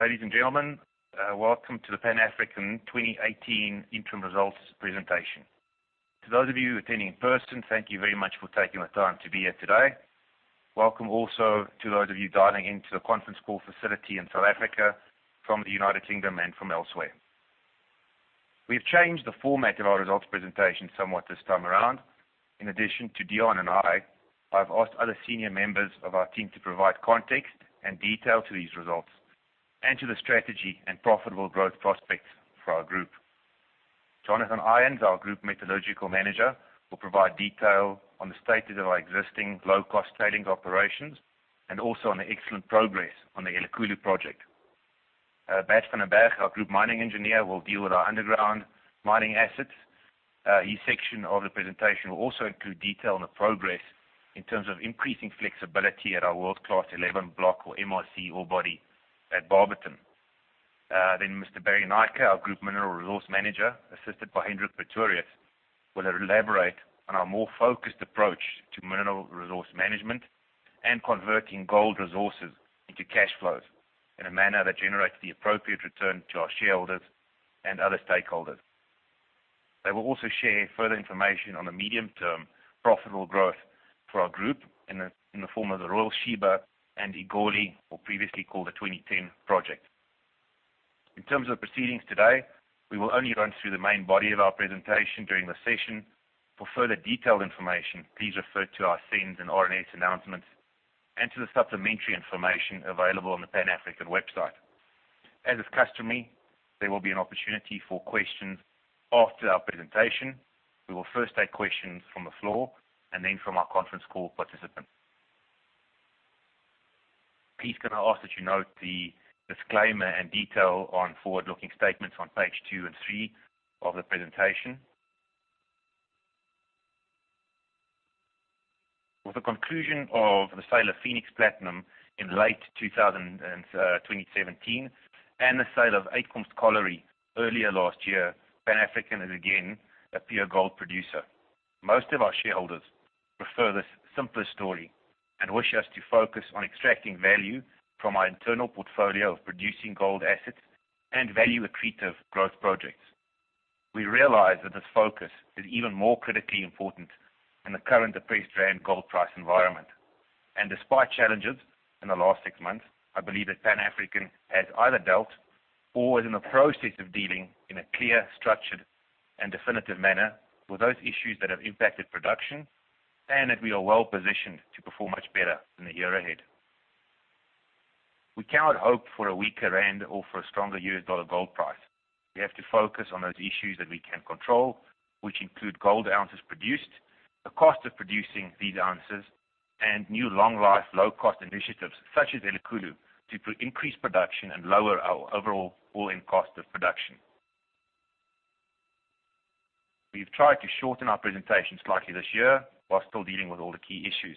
Ladies and gentlemen, welcome to the Pan African 2018 interim results presentation. To those of you attending in person, thank you very much for taking the time to be here today. Welcome also to those of you dialing into the conference call facility in South Africa, from the U.K., and from elsewhere. We've changed the format of our results presentation somewhat this time around. In addition to Deon and I've asked other senior members of our team to provide context and detail to these results and to the strategy and profitable growth prospects for our group. Jonathan Irons, our Group Metallurgist, will provide detail on the status of our existing low-cost tailings operations and also on the excellent progress on the Elikhulu project. Bert van den Berg, our Group Mining Engineer, will deal with our underground mining assets. His section of the presentation will also include detail on the progress in terms of increasing flexibility at our world-class 11 Block or MRC ore body at Barberton. Mr. Barry Naicker, our Group Mineral Resource Manager, assisted by Hendrik Pretorius, will elaborate on our more focused approach to mineral resource management and converting gold resources into cash flows in a manner that generates the appropriate return to our shareholders and other stakeholders. They will also share further information on the medium-term profitable growth for our group in the form of the Royal Sheba and Igoli, or previously called the 2010 project. In terms of proceedings today, we will only run through the main body of our presentation during the session. For further detailed information, please refer to our SENS and RNS announcements and to the supplementary information available on the Pan African website. As is customary, there will be an opportunity for questions after our presentation. We will first take questions from the floor and then from our conference call participants. Please can I ask that you note the disclaimer and detail on forward-looking statements on page two and three of the presentation. With the conclusion of the sale of Phoenix Platinum in late 2017 and the sale of Uitkomst Colliery earlier last year, Pan African is again a pure gold producer. Most of our shareholders prefer this simpler story and wish us to focus on extracting value from our internal portfolio of producing gold assets and value-accretive growth projects. We realize that this focus is even more critically important in the current depressed rand gold price environment. Despite challenges in the last six months, I believe that Pan African has either dealt or is in the process of dealing in a clear, structured, and definitive manner with those issues that have impacted production, and that we are well-positioned to perform much better in the year ahead. We cannot hope for a weaker rand or for a stronger U.S. dollar gold price. We have to focus on those issues that we can control, which include gold ounces produced, the cost of producing these ounces, and new long-life, low-cost initiatives such as Elikhulu to increase production and lower our overall all-in cost of production. We've tried to shorten our presentation slightly this year while still dealing with all the key issues.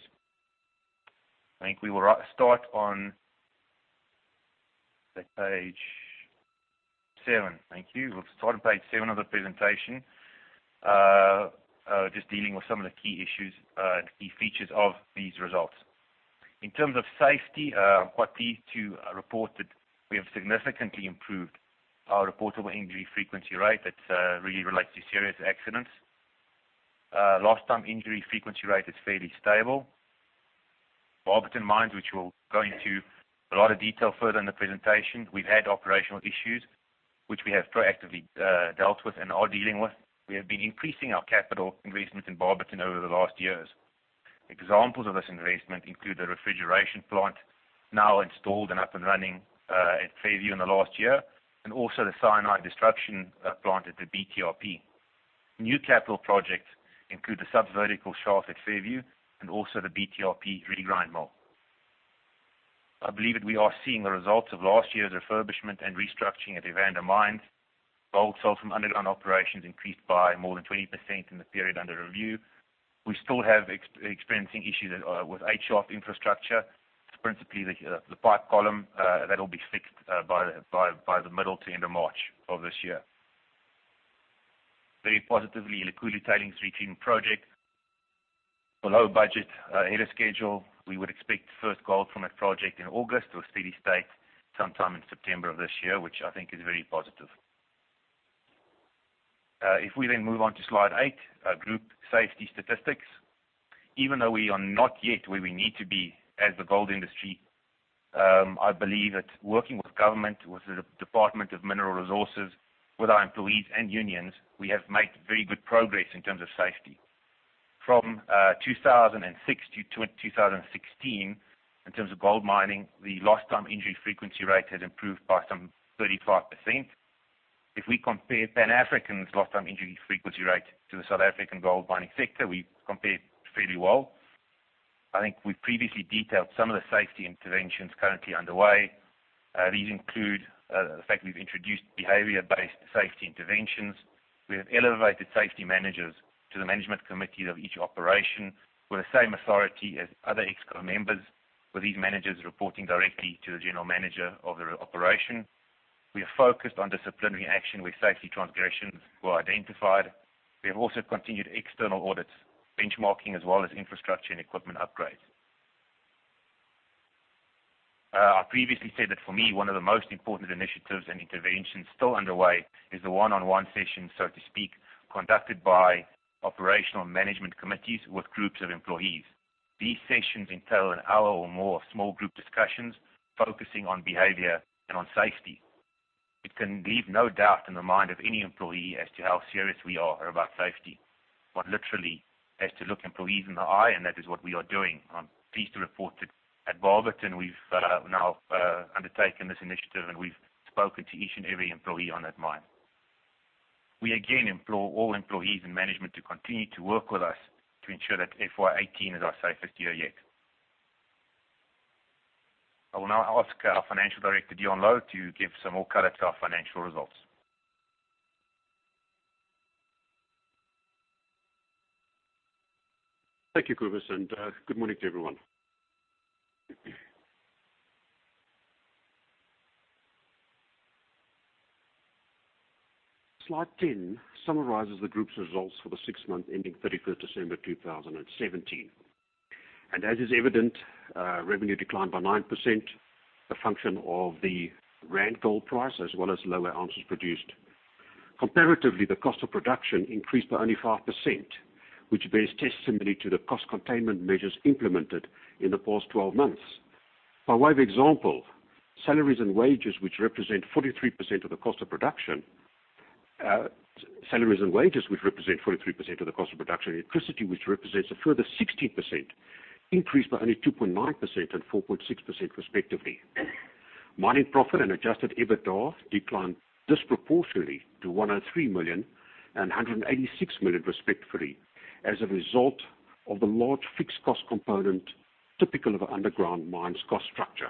I think we will start on page seven. Thank you. We'll start on page seven of the presentation, just dealing with some of the key issues, key features of these results. In terms of safety, I'm happy to report that we have significantly improved our reportable injury frequency rate. That really relates to serious accidents. Lost time injury frequency rate is fairly stable. Barberton Mines, which we'll go into a lot of detail further in the presentation, we've had operational issues, which we have proactively dealt with and are dealing with. We have been increasing our capital investment in Barberton over the last years. Examples of this investment include the refrigeration plant now installed and up and running at Fairview in the last year, and also the cyanide destruction plant at the BTRP. New capital projects include the subvertical shaft at Fairview and also the BTRP regrind mill. I believe that we are seeing the results of last year's refurbishment and restructuring at Evander Mines. Gold sold from underground operations increased by more than 20% in the period under review. We still have experiencing issues with H shaft infrastructure, principally the pipe column. That'll be fixed by the middle to end of March of this year. Very positively, Elikhulu Tailings Retreatment Project below budget, ahead of schedule. We would expect first gold from that project in August or steady state sometime in September of this year, which I think is very positive. If we move on to slide eight, group safety statistics. Even though we are not yet where we need to be as the gold industry, I believe that working with government, with the Department of Mineral Resources, with our employees and unions, we have made very good progress in terms of safety. From 2006 to 2016, in terms of gold mining, the lost time injury frequency rate has improved by some 35%. If we compare Pan African's lost time injury frequency rate to the South African gold mining sector, we compare fairly well. I think we've previously detailed some of the safety interventions currently underway. These include the fact we've introduced behavior-based safety interventions. We have elevated safety managers to the management committees of each operation with the same authority as other ex co members, with these managers reporting directly to the general manager of their operation. We are focused on disciplinary action with safety transgressions who are identified. We have also continued external audits, benchmarking, as well as infrastructure and equipment upgrades. I previously said that for me, one of the most important initiatives and interventions still underway is the one-on-one session, so to speak, conducted by operational management committees with groups of employees. These sessions entail an hour or more of small group discussions focusing on behavior and on safety. It can leave no doubt in the mind of any employee as to how serious we are about safety. One literally has to look employees in the eye, and that is what we are doing. I'm pleased to report that at Barberton, we've now undertaken this initiative, and we've spoken to each and every employee on that mine. We again implore all employees and management to continue to work with us to ensure that FY 2018 is our safest year yet. I will now ask our Financial Director, Deon Louw, to give some more color to our financial results. Thank you, Cobus, and good morning to everyone. Slide 10 summarizes the group's results for the six months ending 31st December 2017. As is evident, revenue declined by 9%, a function of the rand gold price as well as lower ounces produced. Comparatively, the cost of production increased by only 5%, which bears testimony to the cost containment measures implemented in the past 12 months. By way of example, salaries and wages, which represent 43% of the cost of production, electricity, which represents a further 16%, increased by only 2.9% and 4.6% respectively. Mining profit and adjusted EBITDA declined disproportionately to 103 million and 186 million respectively as a result of the large fixed cost component typical of an underground mine's cost structure.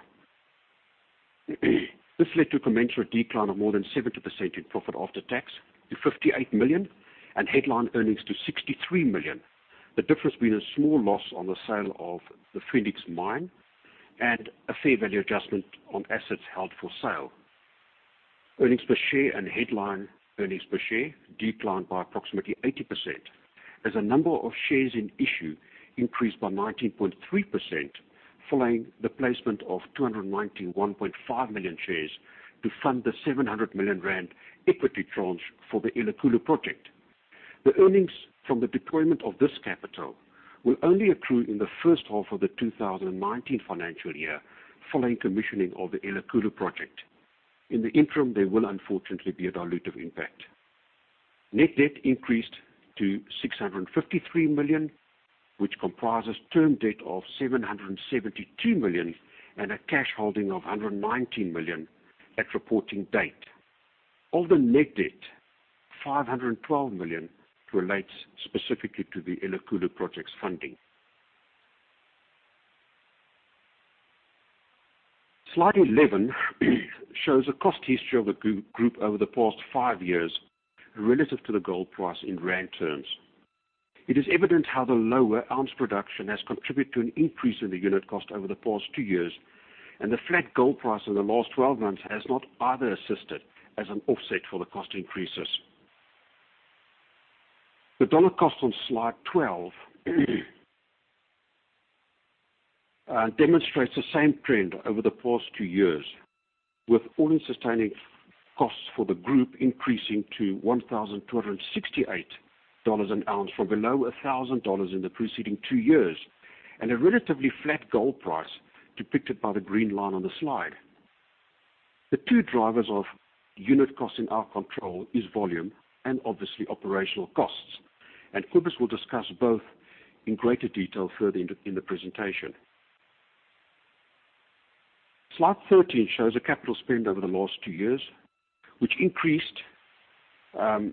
This led to a commensurate decline of more than 70% in profit after tax to 58 million and headline earnings to 63 million. The difference being a small loss on the sale of the Phoenix Platinum and a fair value adjustment on assets held for sale. Earnings per share and headline earnings per share declined by approximately 80% as the number of shares in issue increased by 19.3% following the placement of 291.5 million shares to fund the 700 million rand equity tranche for the Elikhulu project. The earnings from the deployment of this capital will only accrue in the first half of the 2019 financial year following commissioning of the Elikhulu project. In the interim, there will unfortunately be a dilutive impact. Net debt increased to 653 million, which comprises term debt of 772 million and a cash holding of 119 million at reporting date. Of the net debt, 512 million relates specifically to the Elikhulu project's funding. Slide 11 shows a cost history of the group over the past five years relative to the gold price in rand terms. It is evident how the lower ounce production has contributed to an increase in the unit cost over the past two years, and the flat gold price in the last 12 months has not either assisted as an offset for the cost increases. The dollar cost on slide 12 demonstrates the same trend over the past two years, with all-in sustaining costs for the group increasing to $1,268 an ounce from below $1,000 in the preceding two years and a relatively flat gold price depicted by the green line on the slide. The two drivers of unit cost in our control is volume and obviously operational costs, and Cobus will discuss both in greater detail further in the presentation. Slide 13 shows the capital spend over the last two years,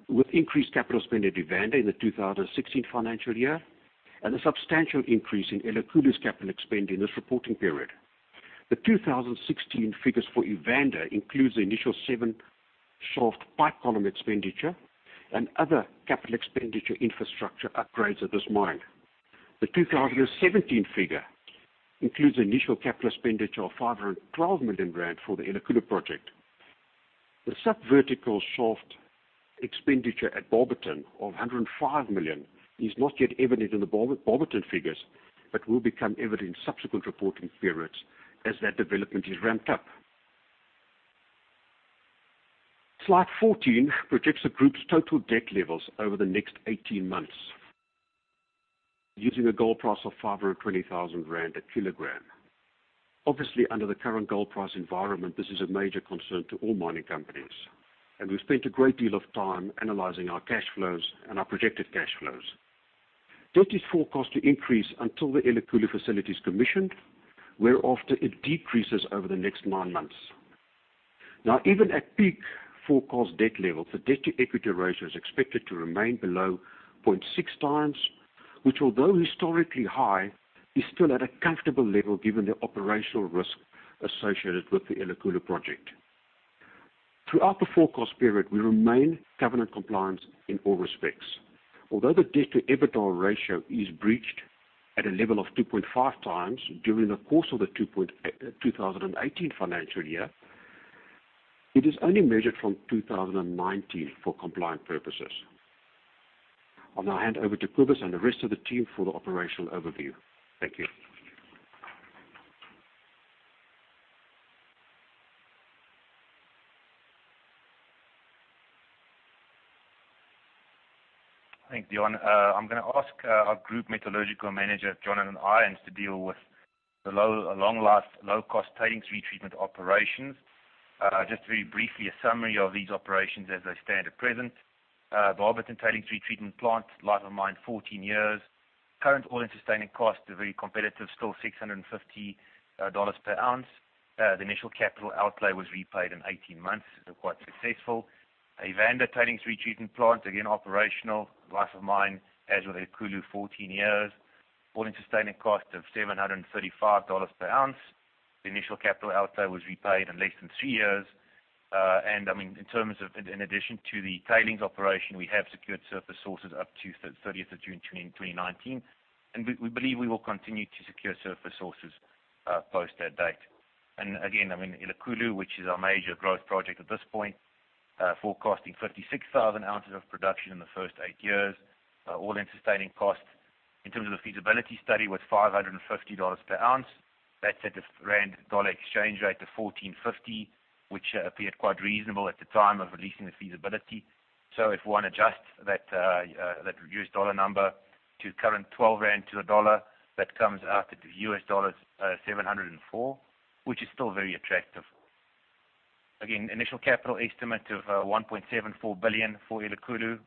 with increased capital spend at Evander in the 2016 financial year and a substantial increase in Elikhulu's capital spend in this reporting period. The 2016 figures for Evander includes the initial seven shaft pipe column expenditure and other capital expenditure infrastructure upgrades at this mine. The 2017 figure includes initial capital expenditure of 512 million rand for the Elikhulu project. The sub-vertical shaft expenditure at Barberton of 105 million is not yet evident in the Barberton figures, but will become evident in subsequent reporting periods as that development is ramped up. Slide 14 projects the group's total debt levels over the next 18 months using a gold price of 520,000 rand a kilogram. Obviously, under the current gold price environment, this is a major concern to all mining companies, and we've spent a great deal of time analyzing our cash flows and our projected cash flows. Debt is forecast to increase until the Elikhulu facility is commissioned, whereafter it decreases over the next 9 months. Even at peak forecast debt levels, the debt-to-equity ratio is expected to remain below 0.6 times, which although historically high, is still at a comfortable level given the operational risk associated with the Elikhulu project. Throughout the forecast period, we remain covenant compliant in all respects. Although the debt to EBITDA ratio is breached at a level of 2.5 times during the course of the 2018 financial year, it is only measured from 2019 for compliance purposes. I'll now hand over to Cobus and the rest of the team for the operational overview. Thank you. Thanks, Deon. I'm going to ask our Group Metallurgical Manager, Jonathan Irons, to deal with the long-life, low-cost tailings retreatment operations. Just very briefly, a summary of these operations as they stand at present. The Barberton Tailings Retreatment Plant, life of mine, 14 years. Current all-in sustaining cost are very competitive, still $650 per ounce. The initial capital outlay was repaid in 18 months, so quite successful. Evander Tailings Retreatment Plant, again operational. Life of mine, as with Elikhulu, 14 years. All-in sustaining cost of $735 per ounce. The initial capital outlay was repaid in less than 3 years. In addition to the tailings operation, we have secured surface sources up to 30th of June 2019, and we believe we will continue to secure surface sources post that date. Elikhulu, which is our major growth project at this point, forecasting 56,000 ounces of production in the first 8 years. All-in sustaining cost in terms of the feasibility study was $550 per ounce. That's at the rand dollar exchange rate of 14.50, which appeared quite reasonable at the time of releasing the feasibility. If one adjusts that reduced dollar number to current 12 rand to the dollar, that comes out at $704, which is still very attractive. Initial capital estimate of 1.74 billion for Elikhulu,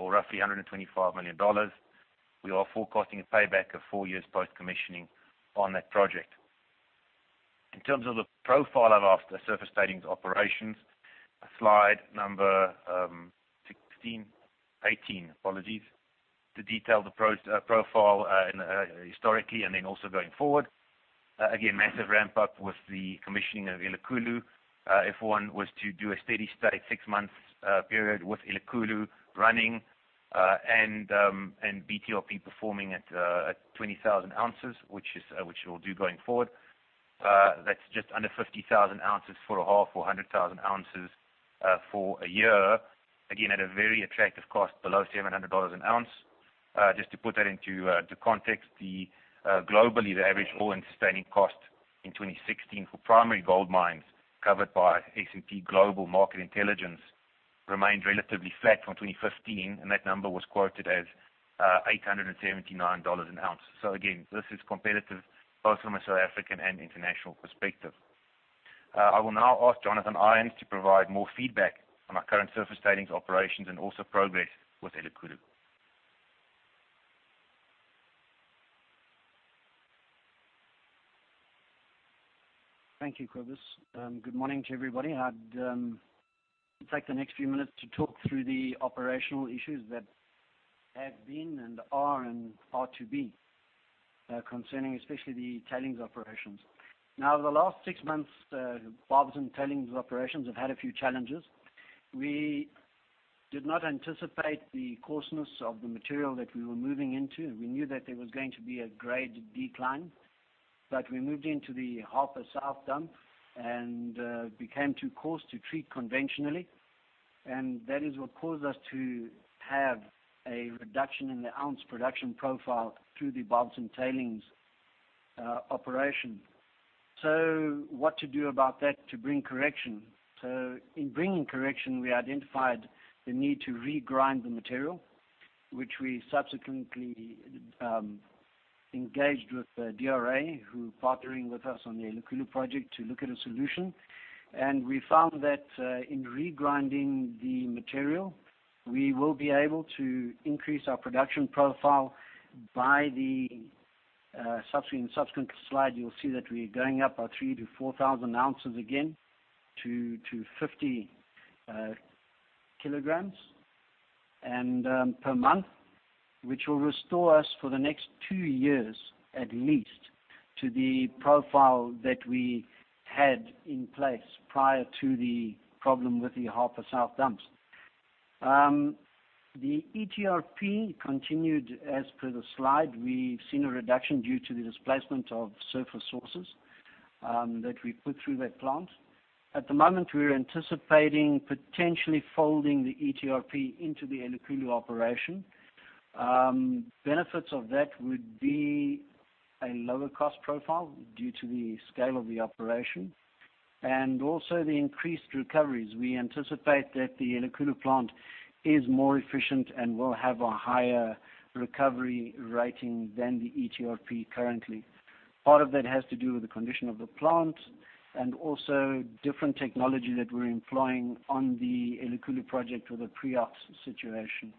or roughly $125 million. We are forecasting a payback of 4 years post-commissioning on that project. In terms of the profile of our surface tailings operations, slide number 18, to detail the profile historically and then also going forward. Massive ramp up with the commissioning of Elikhulu. If one was to do a steady state 6 months period with Elikhulu running and BTRP performing at 20,000 ounces, which it will do going forward, that's just under 50,000 ounces for a half or 100,000 ounces for a year. At a very attractive cost below $700 an ounce. Just to put that into context, globally, the average all-in sustaining cost in 2016 for primary gold mines covered by S&P Global Market Intelligence remained relatively flat from 2015, and that number was quoted as $879 an ounce. This is competitive both from a South African and international perspective. I will now ask Jonathan Irons to provide more feedback on our current surface tailings operations and also progress with Elikhulu. Thank you, Cobus. Good morning to everybody. I'd take the next few minutes to talk through the operational issues that have been and are and are to be, concerning especially the tailings operations. The last 6 months, Barberton Tailings operations have had a few challenges. We did not anticipate the coarseness of the material that we were moving into. We knew that there was going to be a grade decline, we moved into the Harper South dump and became too coarse to treat conventionally. That is what caused us to have a reduction in the ounce production profile through the Barberton Tailings operation. What to do about that to bring correction? In bringing correction, we identified the need to regrind the material, which we subsequently engaged with DRA, who are partnering with us on the Elikhulu project to look at a solution. We found that in regrinding the material, we will be able to increase our production profile. In subsequent slide, you'll see that we're going up by 3,000 to 4,000 ounces again to 50 kilograms per month, which will restore us for the next 2 years, at least, to the profile that we had in place prior to the problem with the Harper South dumps. The ETRP continued as per the slide. We've seen a reduction due to the displacement of surface sources that we put through that plant. At the moment, we're anticipating potentially folding the ETRP into the Elikhulu operation. Benefits of that would be a lower cost profile due to the scale of the operation and also the increased recoveries. We anticipate that the Elikhulu plant is more efficient and will have a higher recovery rating than the ETRP currently. Part of that has to do with the condition of the plant and also different technology that we're employing on the Elikhulu project with a pre-ox situation.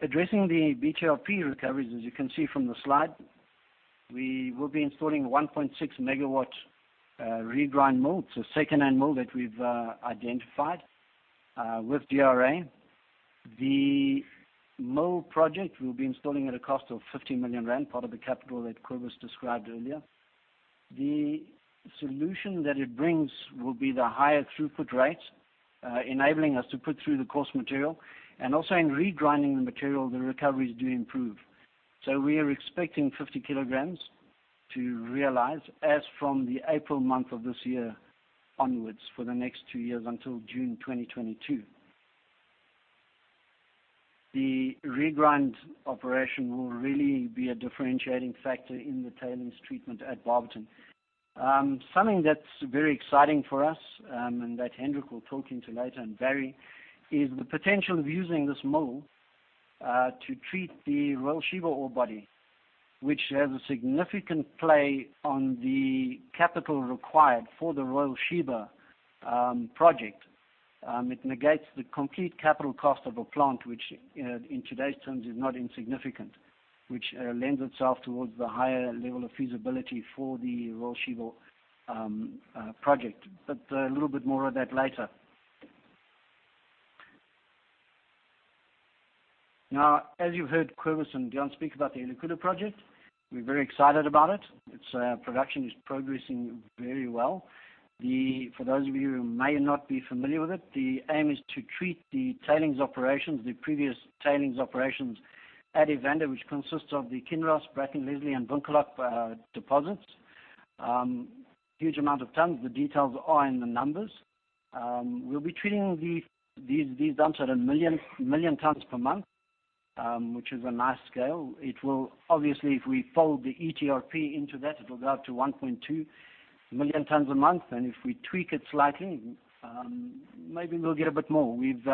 Addressing the BTRP recoveries, as you can see from the slide, we will be installing a 1.6 MW regrind mill. It's a secondhand mill that we've identified with DRA. The mill project we'll be installing at a cost of 50 million rand, part of the capital that Cobus described earlier. The solution that it brings will be the higher throughput rates, enabling us to put through the coarse material. In regrinding the material, the recoveries do improve. We are expecting 50 kilograms to realize as from the April month of this year onwards for the next 2 years until June 2022. The regrind operation will really be a differentiating factor in the tailings treatment at Barberton. Something that's very exciting for us, and that Hendrik will talk into later, and Barry, is the potential of using this mill to treat the Royal Sheba ore body, which has a significant play on the capital required for the Royal Sheba project. It negates the complete capital cost of a plant which, in today's terms is not insignificant, which lends itself towards the higher level of feasibility for the Royal Sheba project. A little bit more of that later. As you've heard Cobus and John speak about the Elikhulu project, we're very excited about it. Its production is progressing very well. For those of you who may not be familiar with it, the aim is to treat the tailings operations, the previous tailings operations at Evander, which consists of the Kinross, Bracken Leslie, and Winkelhaak deposits. Huge amount of tons. The details are in the numbers. We'll be treating these dumps at 1 million tons per month, which is a nice scale. Obviously if we fold the ETRP into that, it'll go up to 1.2 million tons a month, if we tweak it slightly, maybe we'll get a bit more. We've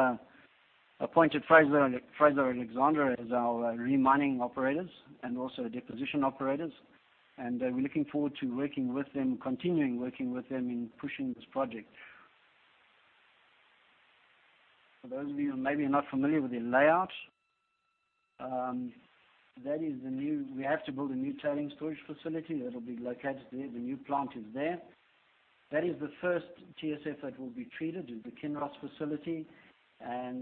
appointed Fraser Alexander as our re-mining operators and also deposition operators, we're looking forward to working with them, continuing working with them in pushing this project. For those of you who may be not familiar with the layout, we have to build a new tailings storage facility that'll be located there. The new plant is there. That is the first TSF that will be treated, is the Kinross facility, that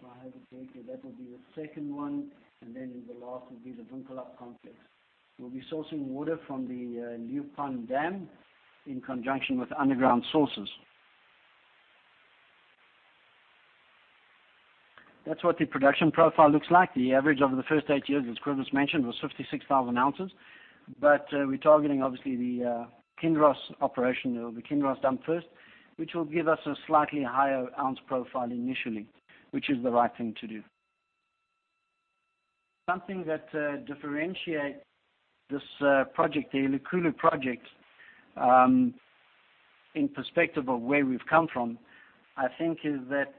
will be the second one, then the last will be the Winkelhaak complex. We'll be sourcing water from the New Pan Dam in conjunction with underground sources. That's what the production profile looks like. The average over the first eight years, as Cobus mentioned, was 56,000 ounces. We're targeting obviously the Kinross operation. There will be Kinross done first, which will give us a slightly higher ounce profile initially, which is the right thing to do. Something that differentiate this project, the Elikhulu project, in perspective of where we've come from, I think is that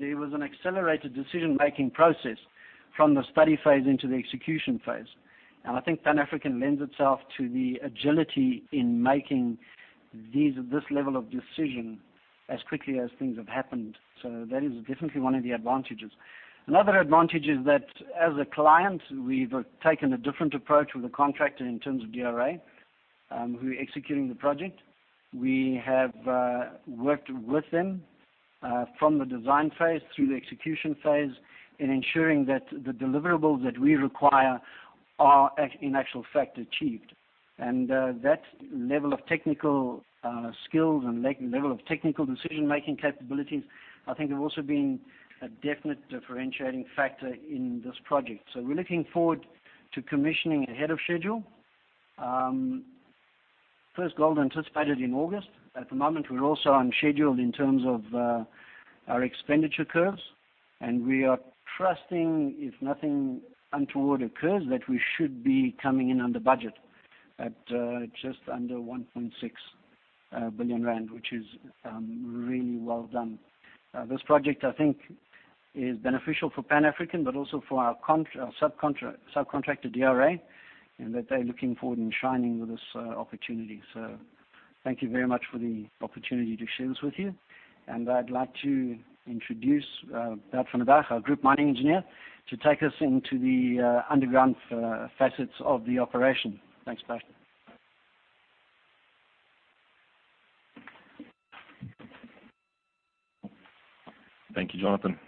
there was an accelerated decision-making process from the study phase into the execution phase. I think Pan African lends itself to the agility in making this level of decision as quickly as things have happened. That is definitely one of the advantages. Another advantage is that as a client, we've taken a different approach with the contractor in terms of DRA, who are executing the project. We have worked with them from the design phase through the execution phase in ensuring that the deliverables that we require are in actual fact achieved. That level of technical skills and level of technical decision-making capabilities, I think have also been a definite differentiating factor in this project. We're looking forward to commissioning ahead of schedule. First gold anticipated in August. At the moment, we're also on schedule in terms of our expenditure curves, we are trusting, if nothing untoward occurs, that we should be coming in under budget at just under 1.6 billion rand, which is really well done. This project, I think, is beneficial for Pan African, but also for our subcontractor, DRA, in that they're looking forward in shining with this opportunity. Thank you very much for the opportunity to share this with you. I'd like to introduce Bert van den Berg, our group mining engineer, to take us into the underground facets of the operation. Thanks, Bert. Thank you, Jonathan.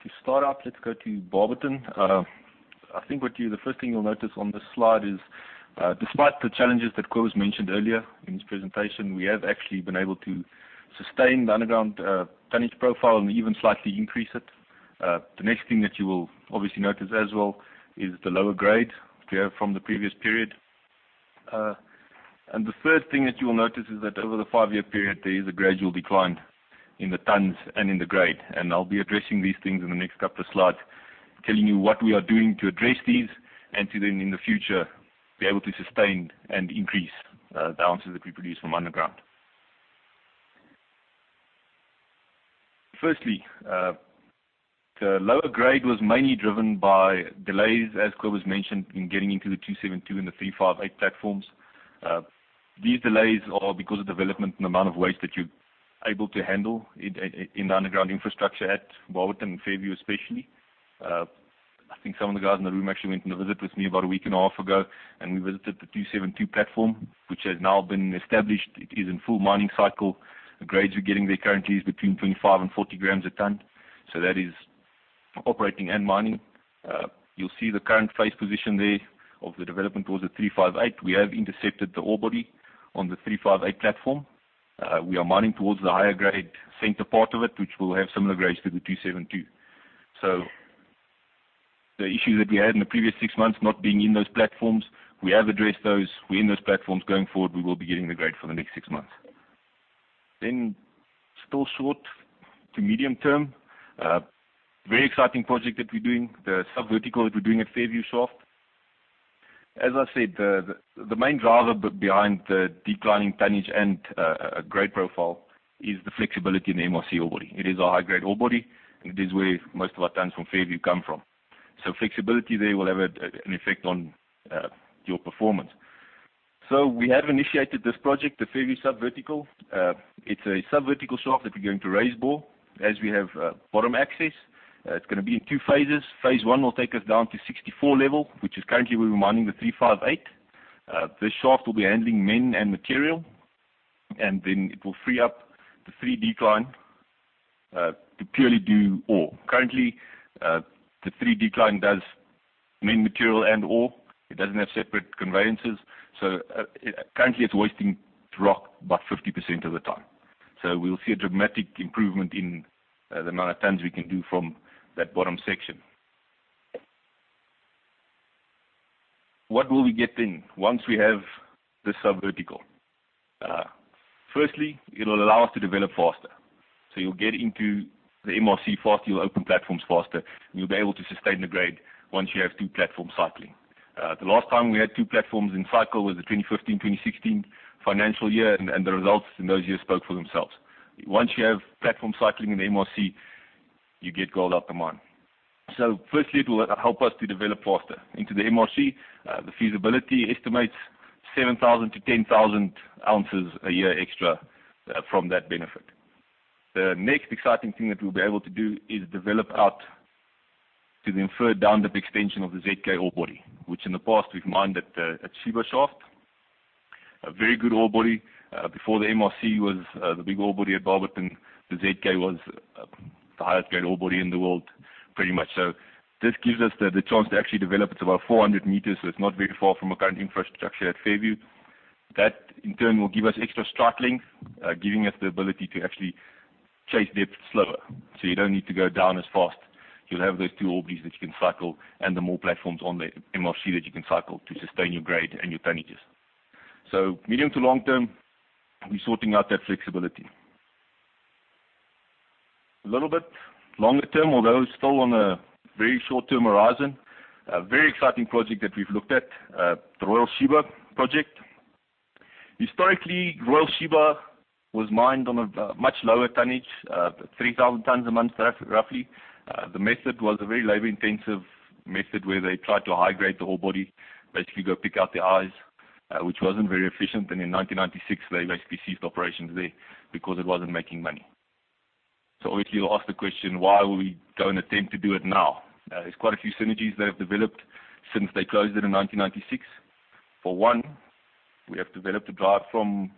To start up, let's go to Barberton. I think the first thing you'll notice on this slide is, despite the challenges that Cobus mentioned earlier in his presentation, we have actually been able to sustain the underground tonnage profile and even slightly increase it. The next thing that you will obviously notice as well is the lower grade that we have from the previous period. The third thing that you will notice is that over the five-year period, there is a gradual decline in the tons and in the grade. I'll be addressing these things in the next couple of slides, telling you what we are doing to address these and to then in the future be able to sustain and increase the ounces that we produce from underground. Firstly, the lower grade was mainly driven by delays, as Cobus mentioned, in getting into the 272 and the 358 platforms. These delays are because of development and amount of waste that you're able to handle in the underground infrastructure at Barberton, Fairview especially. I think some of the guys in the room actually went on a visit with me about a week and a half ago, and we visited the 272 platform, which has now been established. It is in full mining cycle. The grades we're getting there currently is between 25 and 40 grams a ton. That is Operating and mining. You'll see the current face position there of the development towards the 358. We have intercepted the ore body on the 358 platform. We are mining towards the higher grade center part of it, which will have similar grades to the 272. The issue that we had in the previous 6 months not being in those platforms, we have addressed those. We're in those platforms going forward. We will be getting the grade for the next 6 months. Still short to medium-term, very exciting project that we're doing, the sub-vertical that we're doing at Fairview Shaft. As I said, the main driver behind the declining tonnage and grade profile is the flexibility in the MRC ore body. It is a high-grade ore body. It is where most of our tons from Fairview come from. Flexibility there will have an effect on your performance. We have initiated this project, the Fairview sub-vertical. It's a sub-vertical shaft that we're going to raise bore as we have bottom access. It's going to be in 2 phases. Phase 1 will take us down to 64 level, which is currently where we're mining the 358. This shaft will be handling men and material, it will free up the 3 Decline to purely do ore. Currently, the 3 Decline does men material and ore. It doesn't have separate conveyances. Currently it's wasting rock about 50% of the time. We'll see a dramatic improvement in the amount of tons we can do from that bottom section. What will we get then once we have this sub-vertical? Firstly, it'll allow us to develop faster. You'll get into the MRC faster, you'll open platforms faster, and you'll be able to sustain the grade once you have two platforms cycling. The last time we had two platforms in cycle was the 2015/2016 financial year, the results in those years spoke for themselves. Once you have platform cycling in the MRC, you get gold out the mine. Firstly, it will help us to develop faster into the MRC. The feasibility estimates 7,000 to 10,000 ounces a year extra from that benefit. The next exciting thing that we'll be able to do is develop out to the inferred down the extension of the ZK ore body, which in the past we've mined at Sheba shaft. A very good ore body. Before the MRC was the big ore body at Barberton. The ZK was the highest grade ore body in the world, pretty much so. This gives us the chance to actually develop. It's about 400 meters, so it's not very far from our current infrastructure at Fairview. That in turn will give us extra strike length, giving us the ability to actually chase depth slower. You don't need to go down as fast. You'll have those two ore bodies that you can cycle and the more platforms on the MRC that you can cycle to sustain your grade and your tonnages. Medium to long term, we're sorting out that flexibility. A little bit longer term, although still on a very short-term horizon, a very exciting project that we've looked at, the Royal Sheba project. Historically, Royal Sheba was mined on a much lower tonnage, 3,000 tons a month roughly. The method was a very labor-intensive method where they tried to high-grade the ore body, basically go pick out the eyes which wasn't very efficient. In 1996, they basically ceased operations there because it wasn't making money. Obviously you'll ask the question, why would we go and attempt to do it now? There's quite a few synergies that have developed since they closed it in 1996. For one, we have developed a drive from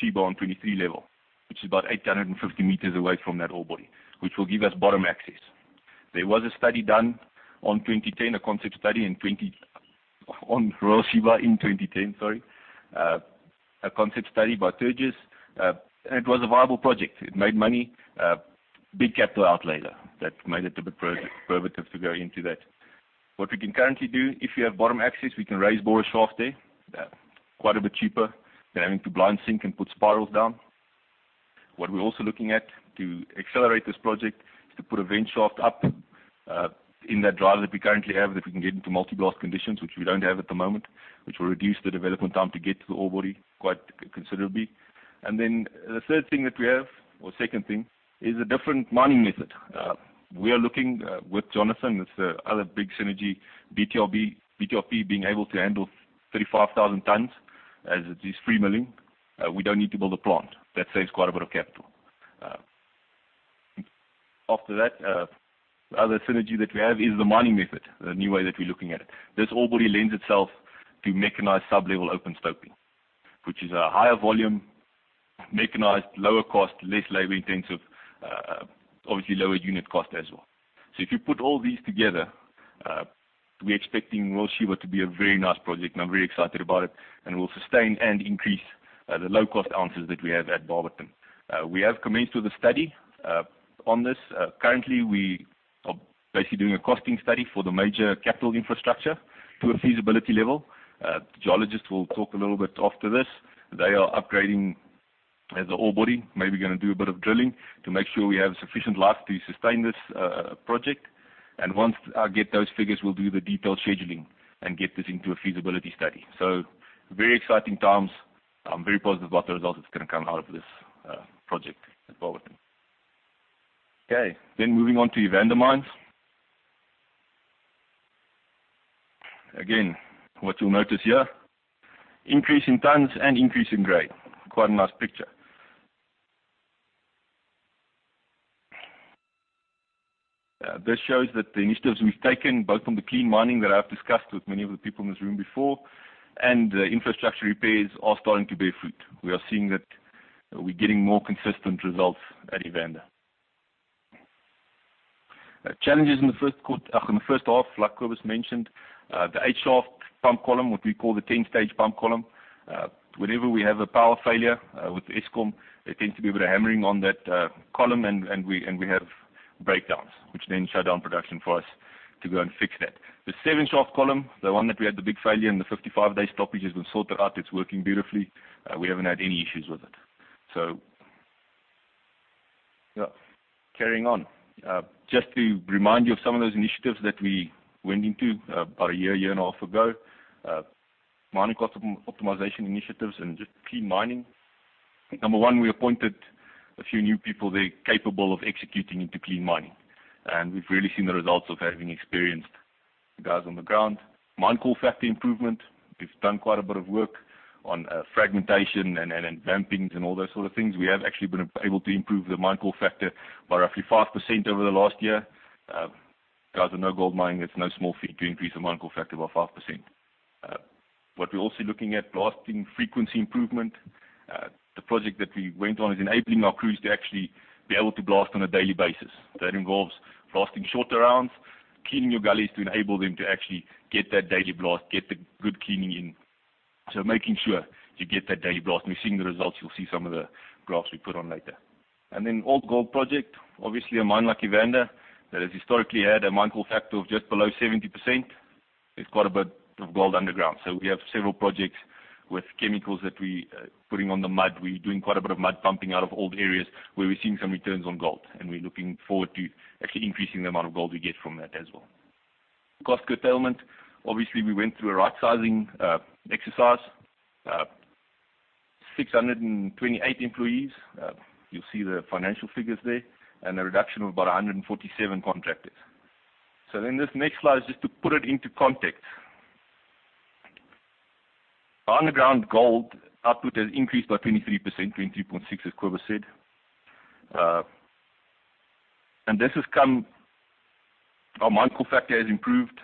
Sheba on 23 level, which is about 850 meters away from that ore body, which will give us bottom access. There was a study done in 2010, a concept study on Royal Sheba in 2010, sorry. A concept study by Turgis. It was a viable project. It made money. Big capital outlay. That made it a bit prohibitive to go into that. What we can currently do, if you have bottom access, we can raise bore a shaft there, quite a bit cheaper than having to blind sink and put spirals down. What we're also looking at to accelerate this project is to put a vent shaft up in that drive that we currently have, that we can get into multi-blast conditions which we don't have at the moment, which will reduce the development time to get to the ore body quite considerably. The third thing that we have or second thing is a different mining method. We are looking with Jonathan, this other big synergy, BTRP being able to handle 35,000 tons as it is free milling. We don't need to build a plant. That saves quite a bit of capital. After that, other synergy that we have is the mining method, the new way that we're looking at it. This ore body lends itself to mechanized sub-level open stoping, which is a higher volume, mechanized, lower cost, less labor-intensive, obviously lower unit cost as well. If you put all these together, we're expecting Royal Sheba to be a very nice project, and I'm very excited about it, and will sustain and increase the low-cost ounces that we have at Barberton. We have commenced with a study on this. Currently we are doing a costing study for the major capital infrastructure to a feasibility level. Geologists will talk a little bit after this. They are upgrading the ore body, maybe going to do a bit of drilling to make sure we have sufficient life to sustain this project. Once I get those figures, we'll do the detailed scheduling and get this into a feasibility study. Very exciting times. I'm very positive about the results that's going to come out of this project at Barberton. Moving on to Evander Mines. What you'll notice here, increase in tons and increase in grade. Quite a nice picture. This shows that the initiatives we've taken, both from the clean mining that I've discussed with many of the people in this room before, and infrastructure repairs are starting to bear fruit. We're getting more consistent results at Evander. Challenges in the first half, like Cobus mentioned, the H-shaft pump column, what we call the 10-stage pump column. Whenever we have a power failure with Eskom, there tends to be a bit of hammering on that column, and we have breakdowns, which then shut down production for us to go and fix that. The seven-shaft column, the one that we had the big failure and the 55-day stoppage has been sorted out. It's working beautifully. We haven't had any issues with it. Carrying on. Just to remind you of some of those initiatives that we went into about a year and a half ago. Mining cost optimization initiatives and just clean mining. Number 1, we appointed a few new people there capable of executing into clean mining, and we've really seen the results of having experienced guys on the ground. Mine call factor improvement. We've done quite a bit of work on fragmentation and vamping and all those sort of things. We have actually been able to improve the mine call factor by roughly 5% over the last year. Guys who know gold mining, it's no small feat to increase the mine call factor by 5%. What we're also looking at, blasting frequency improvement. The project that we went on is enabling our crews to actually be able to blast on a daily basis. That involves blasting shorter rounds, cleaning your gullies to enable them to actually get that daily blast, get the good cleaning in. Making sure to get that daily blast, and we're seeing the results. You'll see some of the graphs we put on later. Old gold project, obviously, a mine like Evander that has historically had a mine call factor of just below 70%. There's quite a bit of gold underground. We have several projects with chemicals that we putting on the mud. We're doing quite a bit of mud pumping out of old areas where we're seeing some returns on gold, and we're looking forward to actually increasing the amount of gold we get from that as well. Cost curtailment. Obviously, we went through a right-sizing exercise. 628 employees. You'll see the financial figures there and a reduction of about 147 contractors. This next slide is just to put it into context. Our underground gold output has increased by 23%, 20.6 as Cobus said. Our mine call factor has improved.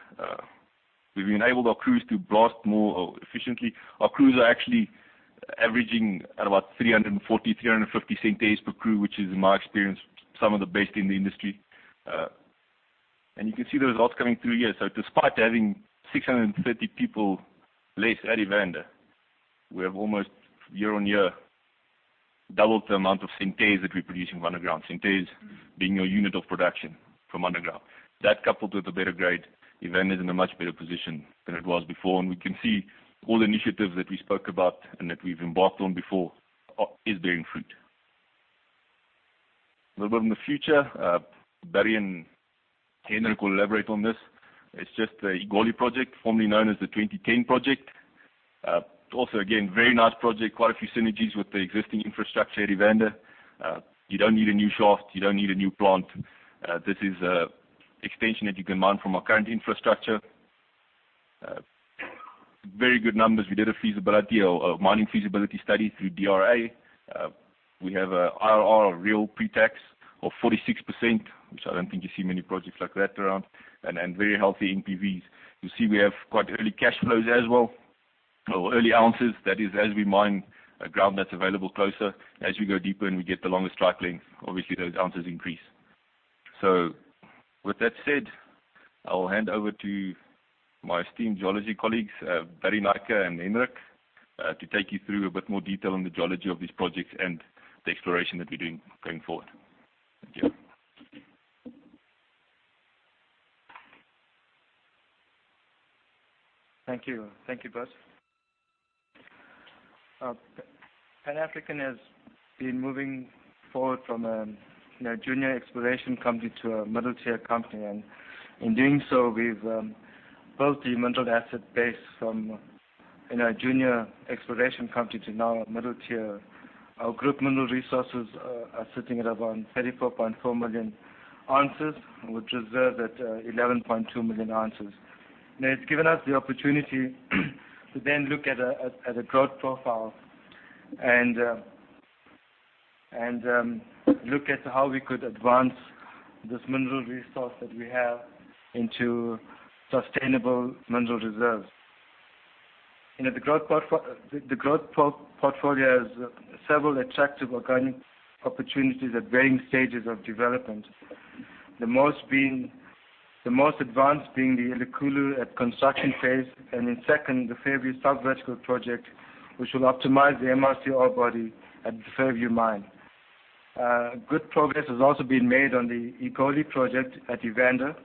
We've enabled our crews to blast more efficiently. Our crews are actually averaging at about 340, 350 st days per crew, which is, in my experience, some of the best in the industry. You can see the results coming through here. Despite having 630 people less at Evander, we have almost year-on-year doubled the amount of st days that we produce in underground. St days being your unit of production from underground. That coupled with a better grade, Evander is in a much better position than it was before. We can see all the initiatives that we spoke about and that we've embarked on before is bearing fruit. A little bit in the future. Barry and Hendrik will elaborate on this. It's just the Egoli project, formerly known as the 2010 project. Again, very nice project. Quite a few synergies with the existing infrastructure at Evander. You don't need a new shaft. You don't need a new plant. This is a extension that you can mine from our current infrastructure. Very good numbers. We did a mining feasibility study through DRA. We have a IRR of real pre-tax of 46%, which I don't think you see many projects like that around, and very healthy NPVs. You'll see we have quite early cash flows as well or early ounces. That is as we mine a ground that's available closer. As we go deeper and we get the longer strike length, obviously those ounces increase. With that said, I will hand over to my esteemed geology colleagues, Barry Naicker and Hendrik, to take you through a bit more detail on the geology of these projects and the exploration that we're doing going forward. Thank you. Thank you. Thank you, Bert. Pan African has been moving forward from a junior exploration company to a middle-tier company. In doing so, we've built the mineral asset base from a junior exploration company to now a middle tier. Our group mineral resources are sitting at around 34.4 million ounces, with reserve at 11.2 million ounces. It's given us the opportunity to then look at a growth profile and look at how we could advance this mineral resource that we have into sustainable mineral reserves. The growth portfolio has several attractive organic opportunities at varying stages of development. The most advanced being the Elikhulu at construction phase, and in second, the Fairview South Vertical Project, which will optimize the MRC ore body at the Fairview mine. Good progress has also been made on the Egoli project at Evander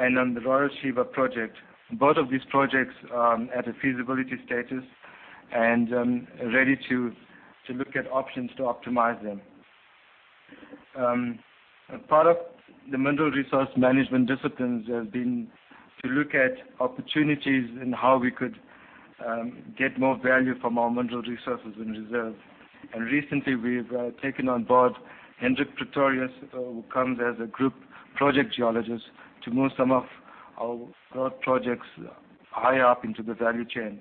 and on the Royal Sheba project. Both of these projects are at a feasibility status and ready to look at options to optimize them. Part of the mineral resource management disciplines has been to look at opportunities in how we could get more value from our mineral resources and reserves. Recently we've taken on board Hendrik Pretorius, who comes as a group project geologist to move some of our growth projects higher up into the value chain.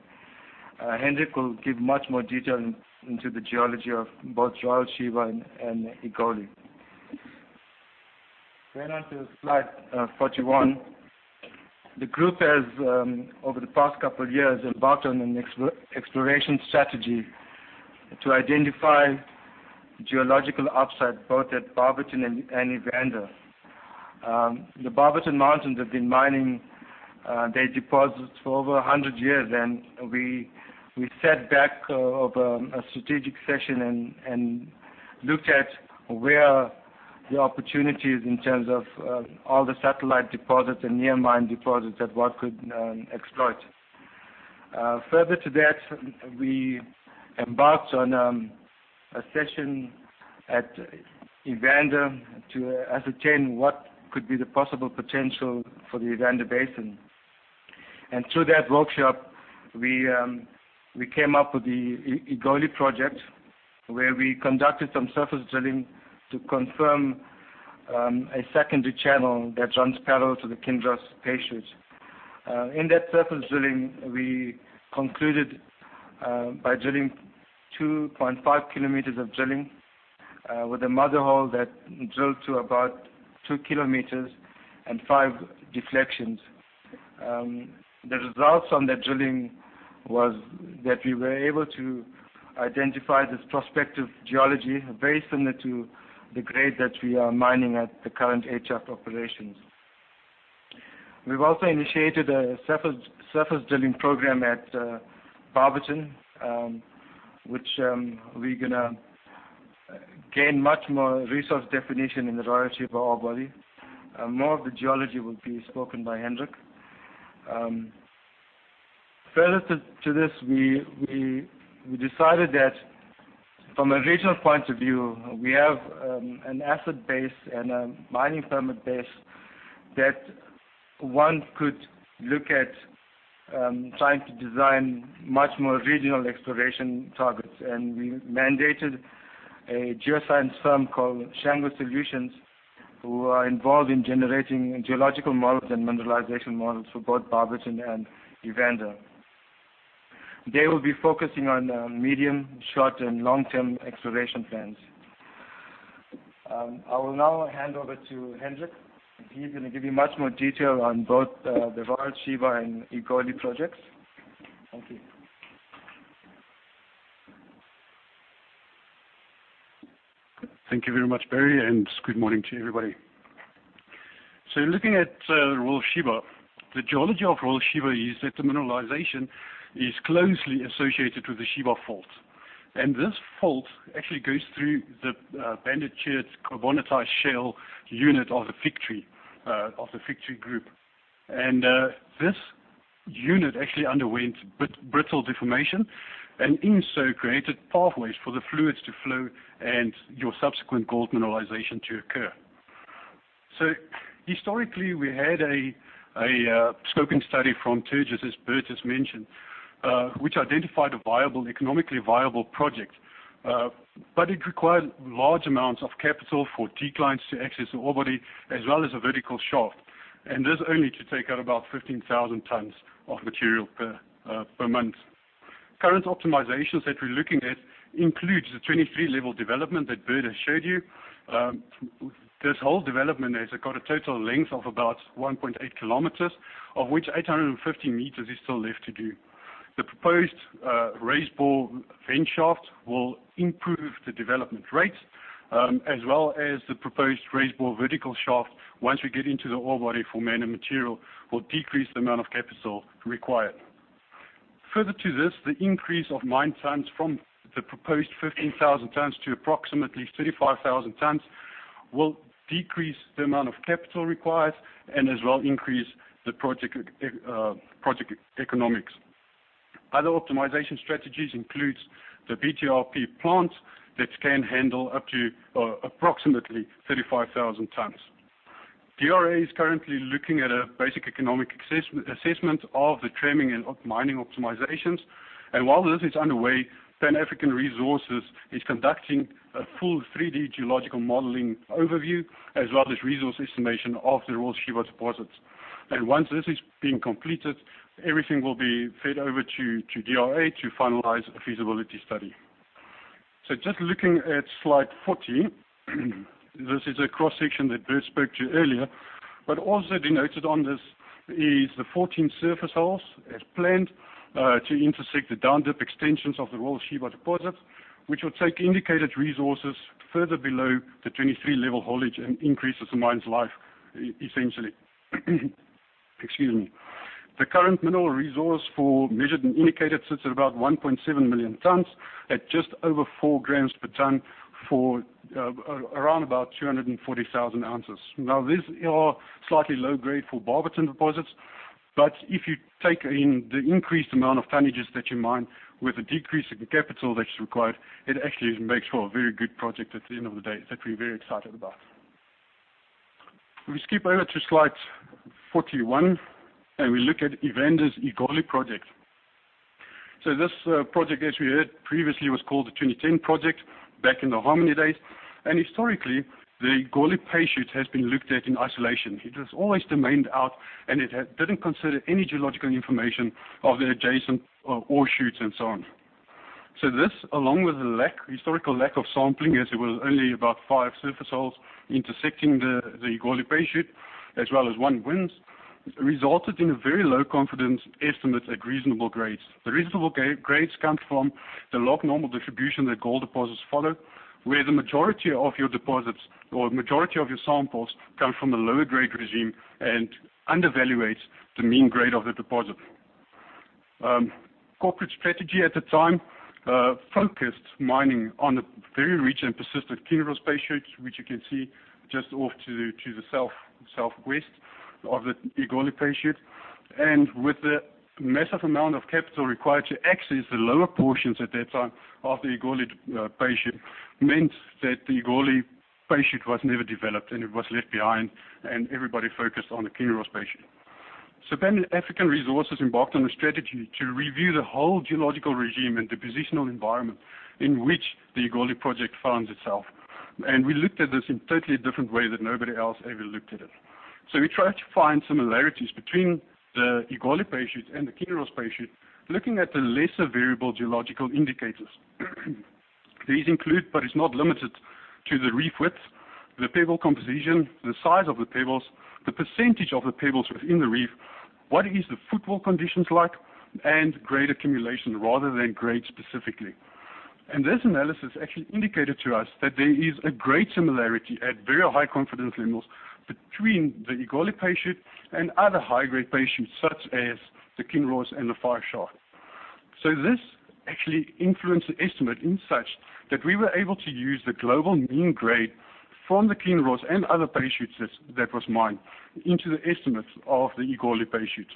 Hendrik will give much more detail into the geology of both Royal Sheba and Egoli. Going on to slide 41. The group has, over the past couple of years, embarked on an exploration strategy to identify geological upside both at Barberton and Evander. The Barberton mountains have been mining their deposits for over 100 years. We sat back over a strategic session and looked at where the opportunity is in terms of all the satellite deposits and near mine deposits that one could exploit. Further to that, we embarked on a session at Evander to ascertain what could be the possible potential for the Evander basin. Through that workshop, we came up with the Egoli project where we conducted some surface drilling to confirm a secondary channel that runs parallel to the Kinross pay shoot. In that surface drilling, we concluded by drilling 2.5 kilometers of drilling with a mother hole that drilled to about two kilometers and five deflections. The results from that drilling was that we were able to identify this prospective geology very similar to the grade that we are mining at the current HF operations. We've also initiated a surface drilling program at Barberton, which we're going to gain much more resource definition in the Royal Sheba ore body. More of the geology will be spoken by Hendrik. Further to this, we decided that from a regional point of view, we have an asset base and a mining permit base that one could look at trying to design much more regional exploration targets. We mandated a geoscience firm called Shango Solutions, who are involved in generating geological models and mineralization models for both Barberton and Evander. They will be focusing on medium, short, and long-term exploration plans. I will now hand over to Hendrik. He's going to give you much more detail on both the Royal Sheba and Egoli projects. Thank you. Thank you very much, Barry, and good morning to everybody. Looking at Royal Sheba, the geology of Royal Sheba is that the mineralization is closely associated with the Sheba fault. This fault actually goes through the banded chert carbonatite shale unit of the Figtree Group. This unit actually underwent brittle deformation, and in so created pathways for the fluids to flow and your subsequent gold mineralization to occur. Historically, we had a scoping study from Turgis, as Bert has mentioned, which identified an economically viable project. It required large amounts of capital for declines to access the ore body as well as a vertical shaft. This only to take out about 15,000 tons of material per month. Current optimizations that we're looking at includes the 23 level development that Bert has showed you. This whole development has got a total length of about 1.8 kilometers, of which 850 meters is still left to do. The proposed raise bore vent shaft will improve the development rates, as well as the proposed raise bore vertical shaft once we get into the ore body for mining material will decrease the amount of capital required. Further to this, the increase of mine tons from the proposed 15,000 tons to approximately 35,000 tons will decrease the amount of capital required and as well increase the project economics. Other optimization strategies includes the BTRP plant that can handle up to approximately 35,000 tons. DRA is currently looking at a basic economic assessment of the trimming and mining optimizations. While this is underway, Pan African Resources is conducting a full 3D geological modeling overview as well as resource estimation of the Royal Sheba deposits. Once this is being completed, everything will be fed over to DRA to finalize a feasibility study. Just looking at slide 40, this is a cross-section that Bert spoke to earlier. Also denoted on this is the 14 surface holes as planned to intersect the down dip extensions of the Royal Sheba deposits, which will take indicated resources further below the 23 level haulage and increases the mine's life essentially. Excuse me. The current mineral resource for measured and indicated sits at about 1.7 million tons at just over four grams per ton for around about 240,000 ounces. Now, these are slightly low grade for Barberton deposits, but if you take in the increased amount of tonnages that you mine with a decrease in capital that is required, it actually makes for a very good project at the end of the day that we're very excited about. We skip over to slide 41, and we look at Evander's Egoli project. This project, as we heard previously, was called the 2010 project back in the Harmony days. Historically, the Egoli pay shoot has been looked at in isolation. It was always domained out, and it didn't consider any geological information of the adjacent ore shoots and so on. This, along with the historical lack of sampling, as it was only about five surface holes intersecting the Egoli pay shoot, as well as one winze, resulted in a very low confidence estimate at reasonable grades. The reasonable grades come from the log normal distribution that gold deposits follow, where the majority of your deposits or majority of your samples come from a lower grade regime and undervaluates the mean grade of the deposit. Corporate strategy at the time focused mining on the very rich and persistent Kinross pay shoots, which you can see just off to the southwest of the Egoli pay shoot. With the massive amount of capital required to access the lower portions at that time of the Egoli pay shoot meant that the Egoli pay shoot was never developed and it was left behind, and everybody focused on the Kinross pay shoot. Pan African Resources embarked on a strategy to review the whole geological regime and the positional environment in which the Egoli Project finds itself. We looked at this in totally different way that nobody else ever looked at it. We tried to find similarities between the Egoli pay shoot and the Kinross pay shoot, looking at the lesser variable geological indicators. These include, but is not limited to, the reef width, the pebble composition, the size of the pebbles, the percentage of the pebbles within the reef, what is the footwall conditions like, and grade accumulation rather than grade specifically. This analysis actually indicated to us that there is a great similarity at very high confidence levels between the Egoli pay shoot and other high-grade pay shoots such as the Kinross and the Vaal Shaft. This actually influenced the estimate in such that we were able to use the global mean grade from the Kinross and other pay shoots that was mined into the estimates of the Egoli pay shoot.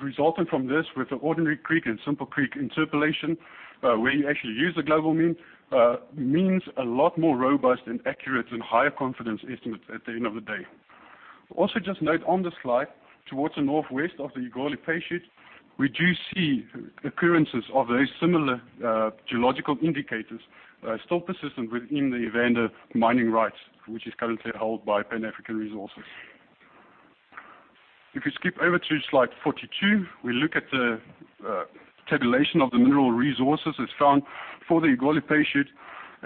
Resulting from this, with the ordinary kriging and simple kriging interpolation, where you actually use the global mean, means a lot more robust and accurate and higher confidence estimates at the end of the day. Just note on the slide towards the northwest of the Igoli pay shoot, we do see occurrences of very similar geological indicators still persistent within the Evander mining rights, which is currently held by Pan African Resources. If you skip over to slide 42, we look at the tabulation of the mineral resources as found for the Igoli pay shoot,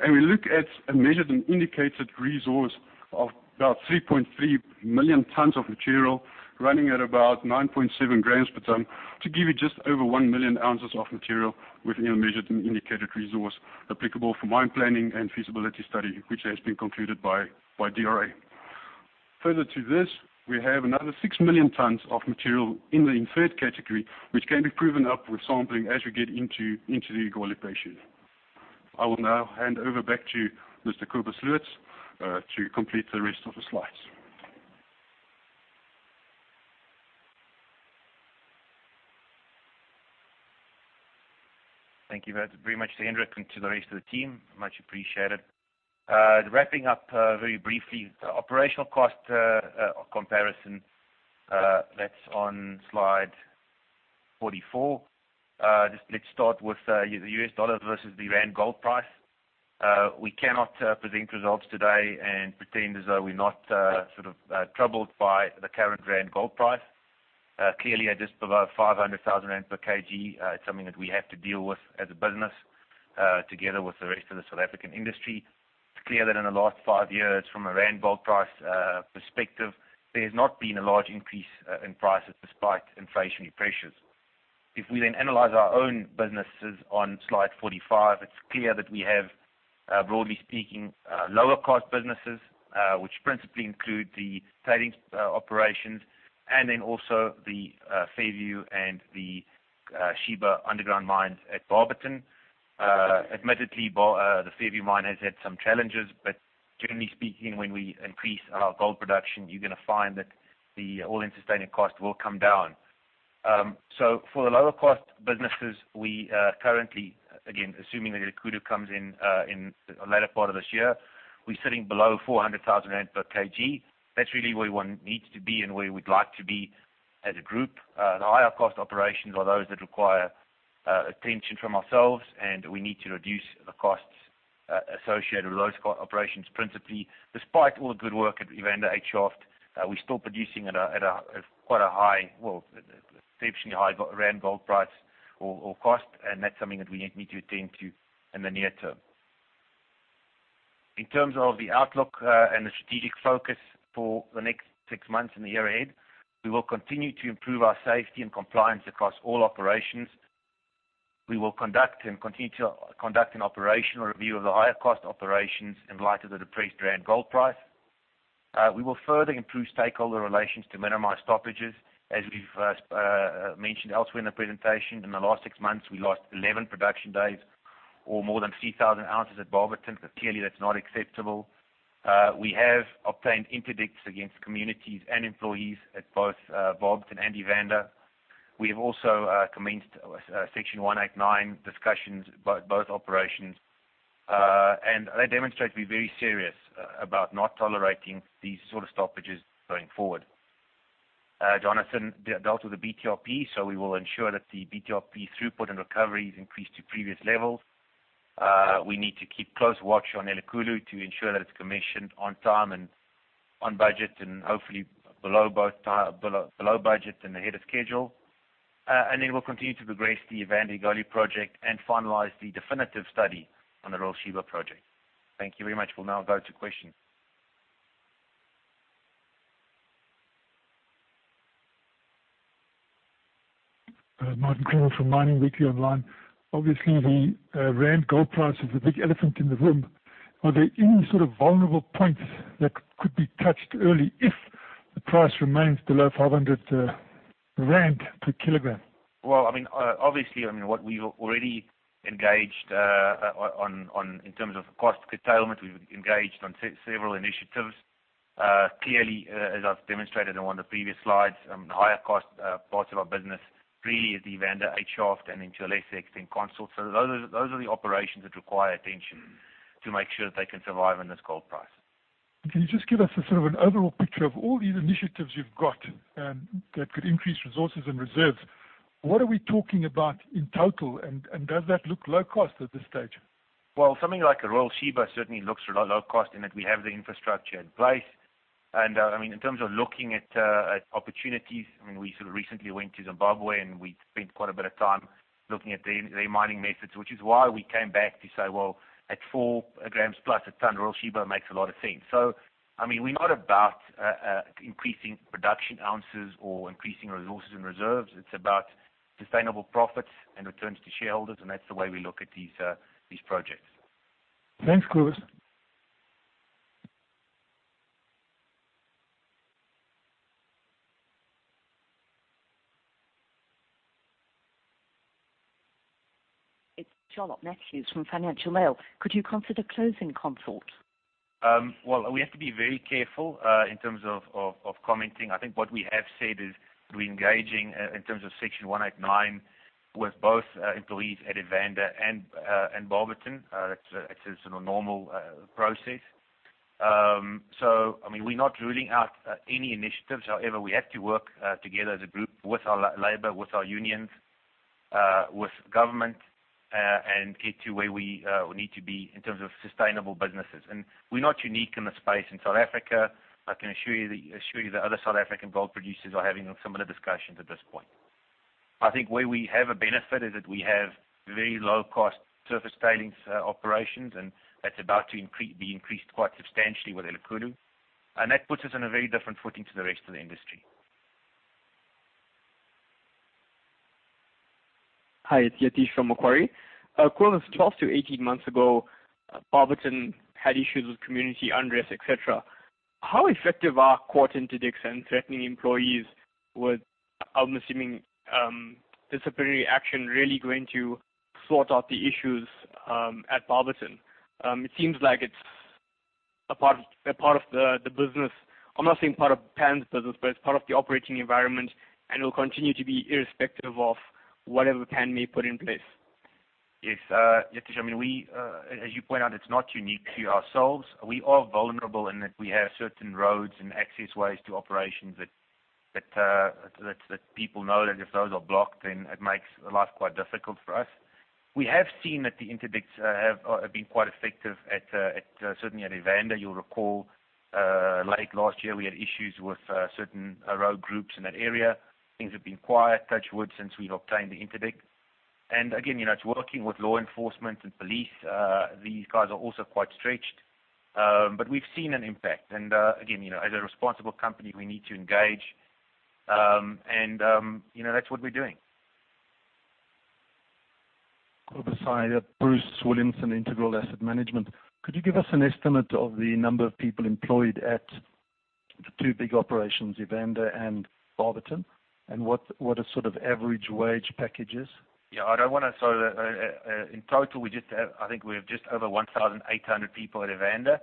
and we look at a measured and indicated resource of about 3.3 million tons of material running at about 9.7 grams per ton to give you just over 1 million ounces of material within your measured and indicated resource applicable for mine planning and feasibility study, which has been concluded by DRA. Further to this, we have another 6 million tons of material in the inferred category, which can be proven up with sampling as we get into the Igoli pay shoot. I will now hand over back to Mr. Cobus Loots to complete the rest of the slides. Thank you very much to Hendrik and to the rest of the team. Much appreciated. Wrapping up very briefly, operational cost comparison. That's on slide 44. Let's start with the US dollar versus the ZAR gold price. We cannot present results today and pretend as though we're not sort of troubled by the current ZAR gold price. Clearly, at just above 500,000 rand per kg, it's something that we have to deal with as a business, together with the rest of the South African industry. It's clear that in the last five years, from a ZAR gold price perspective, there's not been a large increase in prices despite inflationary pressures. If we then analyze our own businesses on slide 45, it's clear that we have, broadly speaking, lower cost businesses, which principally include the trading operations and then also the Fairview and the Sheba underground mines at Barberton. Admittedly, the Fairview Mine has had some challenges, but generally speaking, when we increase our gold production, you're going to find that the all-in sustaining cost will come down. For the lower cost businesses, we are currently, again, assuming that Elikhulu comes in the latter part of this year, we're sitting below 400,000 rand per kg. That's really where one needs to be and where we'd like to be as a group. The higher cost operations are those that require attention from ourselves, and we need to reduce the costs associated with those operations principally. Despite all the good work at Evander 8 Shaft, we're still producing at quite a high, well, exceptionally high ZAR gold price or cost, and that's something that we need to attend to in the near term. In terms of the outlook and the strategic focus for the next six months and the year ahead, we will continue to improve our safety and compliance across all operations. We will conduct and continue to conduct an operational review of the higher cost operations in light of the depressed ZAR gold price. We will further improve stakeholder relations to minimize stoppages. As we've mentioned elsewhere in the presentation, in the last six months, we lost 11 production days or more than 3,000 ounces at Barberton. Clearly, that's not acceptable. We have obtained interdicts against communities and employees at both Barberton and Evander. We have also commenced Section 189 discussions about both operations. They demonstrate to be very serious about not tolerating these sort of stoppages going forward. Jonathan dealt with the BTRP, we will ensure that the BTRP throughput and recovery is increased to previous levels. We need to keep close watch on Elikhulu to ensure that it's commissioned on time and on budget, and hopefully below budget and ahead of schedule. We'll continue to progress the Evander Gold project and finalize the definitive study on the Royal Sheba project. Thank you very much. We'll now go to questions. Martin Creamer from Mining Weekly Online. Obviously, the ZAR gold price is the big elephant in the room. Are there any sort of vulnerable points that could be touched early if the price remains below 500 rand per kilogram? Well, obviously, what we've already engaged on in terms of cost curtailment, we've engaged on several initiatives. Clearly, as I've demonstrated on one of the previous slides, the higher cost parts of our business really is the Evander 8 shaft and then to a lesser extent, Consort. Those are the operations that require attention to make sure that they can survive in this gold price. Can you just give us a sort of an overall picture of all these initiatives you've got that could increase resources and reserves? What are we talking about in total, and does that look low cost at this stage? Well, something like a Royal Sheba certainly looks low cost in that we have the infrastructure in place. In terms of looking at opportunities, we sort of recently went to Zimbabwe and we spent quite a bit of time looking at their mining methods, which is why we came back to say, well, at four grams plus a ton, Royal Sheba makes a lot of sense. We're not about increasing production ounces or increasing resources and reserves. It's about sustainable profits and returns to shareholders, and that's the way we look at these projects. Thanks, Cobus. It's Charlotte Mathews from Financial Mail could you consider closing Consort? Well, we have to be very careful in terms of commenting. I think what we have said is we're engaging in terms of Section 189 with both employees at Evander and Barberton. That's a sort of normal process. We're not ruling out any initiatives. However, we have to work together as a group with our labor, with our unions, with government and get to where we need to be in terms of sustainable businesses. We're not unique in the space in South Africa. I can assure you that other South African gold producers are having similar discussions at this point. I think where we have a benefit is that we have very low cost surface tailings operations, and that's about to be increased quite substantially with Elikhulu. That puts us on a very different footing to the rest of the industry. Hi, it's Yatish from Macquarie. Cobus, 12-18 months ago, Barberton had issues with community unrest, et cetera. How effective are court interdicts and threatening employees with, I'm assuming, disciplinary action really going to sort out the issues at Barberton? It seems like it's a part of the business. I'm not saying part of Pan's business, but it's part of the operating environment and will continue to be irrespective of whatever Pan may put in place. Yes, Yatish. As you point out, it's not unique to ourselves. We are vulnerable in that we have certain roads and access ways to operations that people know that if those are blocked, then it makes life quite difficult for us. We have seen that the interdicts have been quite effective certainly at Evander. You'll recall late last year, we had issues with certain rogue groups in that area. Things have been quiet, touch wood, since we've obtained the interdict. Again, it's working with law enforcement and police. These guys are also quite stretched. We've seen an impact. Again, as a responsible company, we need to engage. That's what we're doing. Cobus, hi. Bruce Williamson from Integral Asset Management. Could you give us an estimate of the number of people employed at the two big operations, Evander and Barberton? What a sort of average wage package is? Yeah. In total, I think we have just over 1,800 people at Evander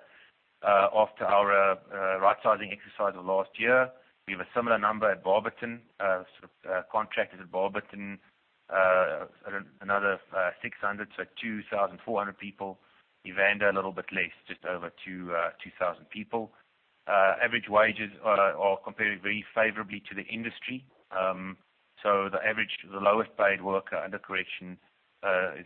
after our right-sizing exercise of last year. We have a similar number at Barberton, sort of contractors at Barberton, another 600, so 2,400 people. Evander, a little bit less, just over 2,000 people. Average wages are comparing very favorably to the industry. The lowest paid worker under correction is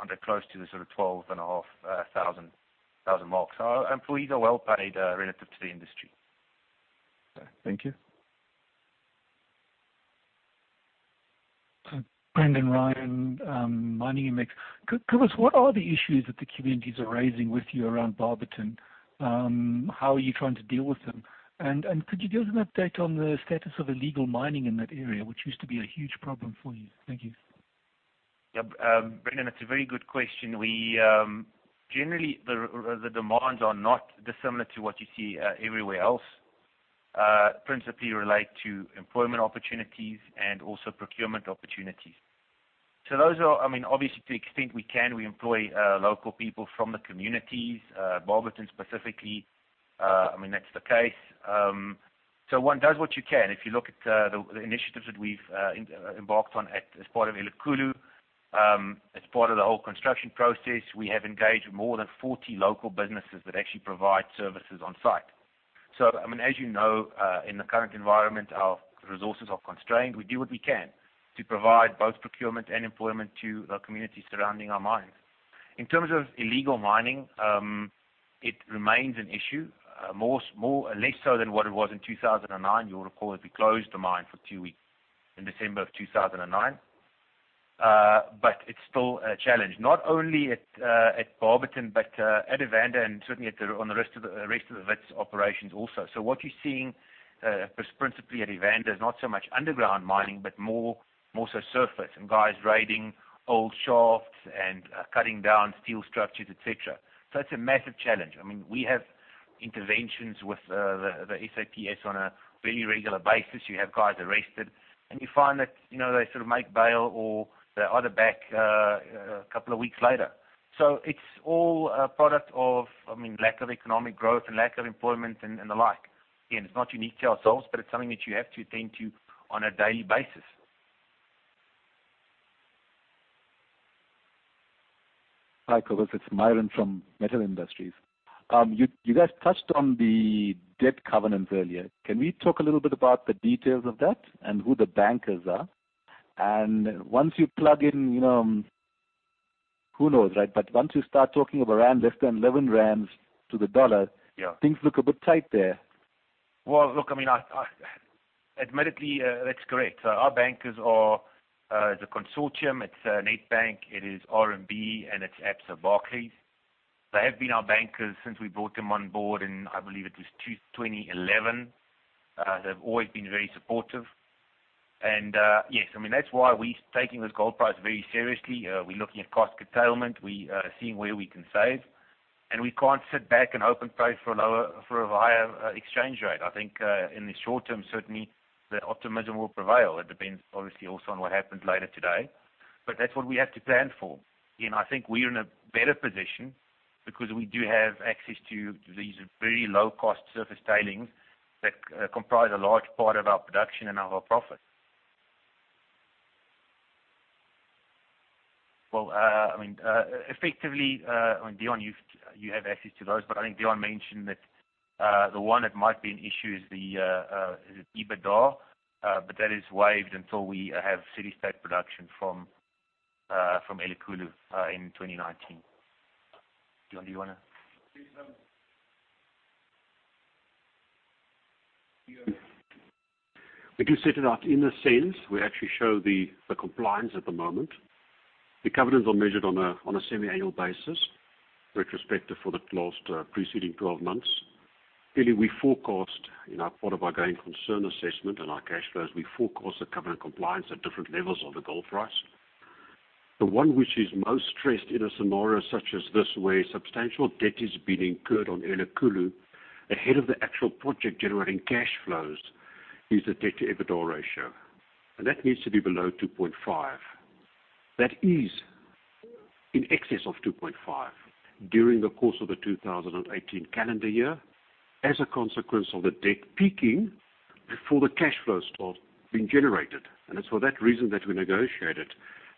under close to the sort of 12,500 marks. Our employees are well-paid relative to the industry. Okay. Thank you. Brendan Ryan, Miningmx. Cobus, what are the issues that the communities are raising with you around Barberton? How are you trying to deal with them? Could you give us an update on the status of illegal mining in that area, which used to be a huge problem for you? Thank you. Yeah, Brendan, that's a very good question. Generally, the demands are not dissimilar to what you see everywhere else. Principally relate to employment opportunities and also procurement opportunities. Those are, obviously, to the extent we can, we employ local people from the communities, Barberton specifically. That's the case. One does what you can. If you look at the initiatives that we've embarked on as part of Elikhulu, as part of the whole construction process, we have engaged more than 40 local businesses that actually provide services on site. As you know, in the current environment, our resources are constrained. We do what we can to provide both procurement and employment to the communities surrounding our mines. In terms of illegal mining, it remains an issue, less so than what it was in 2009. You will recall that we closed the mine for two weeks in December of 2009. It's still a challenge, not only at Barberton, but at Evander and certainly on the rest of the Wits operations also. What you're seeing principally at Evander is not so much underground mining, but more so surface, and guys raiding old shafts and cutting down steel structures, et cetera. It's a massive challenge. We have interventions with the SAPS on a very regular basis. You have guys arrested, and you find that they sort of make bail or they're either back a couple of weeks later. It's all a product of lack of economic growth and lack of employment and the like. Again, it's not unique to ourselves, but it's something that you have to attend to on a daily basis. Hi, Cobus. It's Myron from Metal Industries. You guys touched on the debt covenants earlier. Can we talk a little bit about the details of that and who the bankers are? Once you plug in, who knows, right? Once you start talking of around less than 11 rand to the USD- Yeah things look a bit tight there. Admittedly that's correct. Our bankers are the consortium. It's Nedbank, it is RMB, and it's Absa Barclays. They have been our bankers since we brought them on board in, I believe it was 2011. They've always been very supportive. Yes, that's why we're taking this gold price very seriously. We're looking at cost curtailment. We're seeing where we can save, and we can't sit back and hope and pray for a higher exchange rate. I think in the short term, certainly, that optimism will prevail. It depends, obviously, also on what happens later today. That's what we have to plan for. I think we're in a better position because we do have access to these very low-cost surface tailings that comprise a large part of our production and our profit. Effectively, Deon, you have access to those, I think Deon mentioned that the one that might be an issue is the EBITDA, that is waived until we have steady state production from Elikhulu in 2019. Deon, do you wanna? Yes. We do set it out in a SENS. We actually show the compliance at the moment. The covenants are measured on a semi-annual basis, retrospective for the last preceding 12 months. Clearly, we forecast in part of our going concern assessment and our cash flows. We forecast the covenant compliance at different levels of the gold price. The one which is most stressed in a scenario such as this, where substantial debt is being incurred on Elikhulu ahead of the actual project generating cash flows, is the debt-to-EBITDA ratio, that needs to be below 2.5. That is in excess of 2.5 during the course of the 2018 calendar year as a consequence of the debt peaking before the cash flow starts being generated. It's for that reason that we negotiated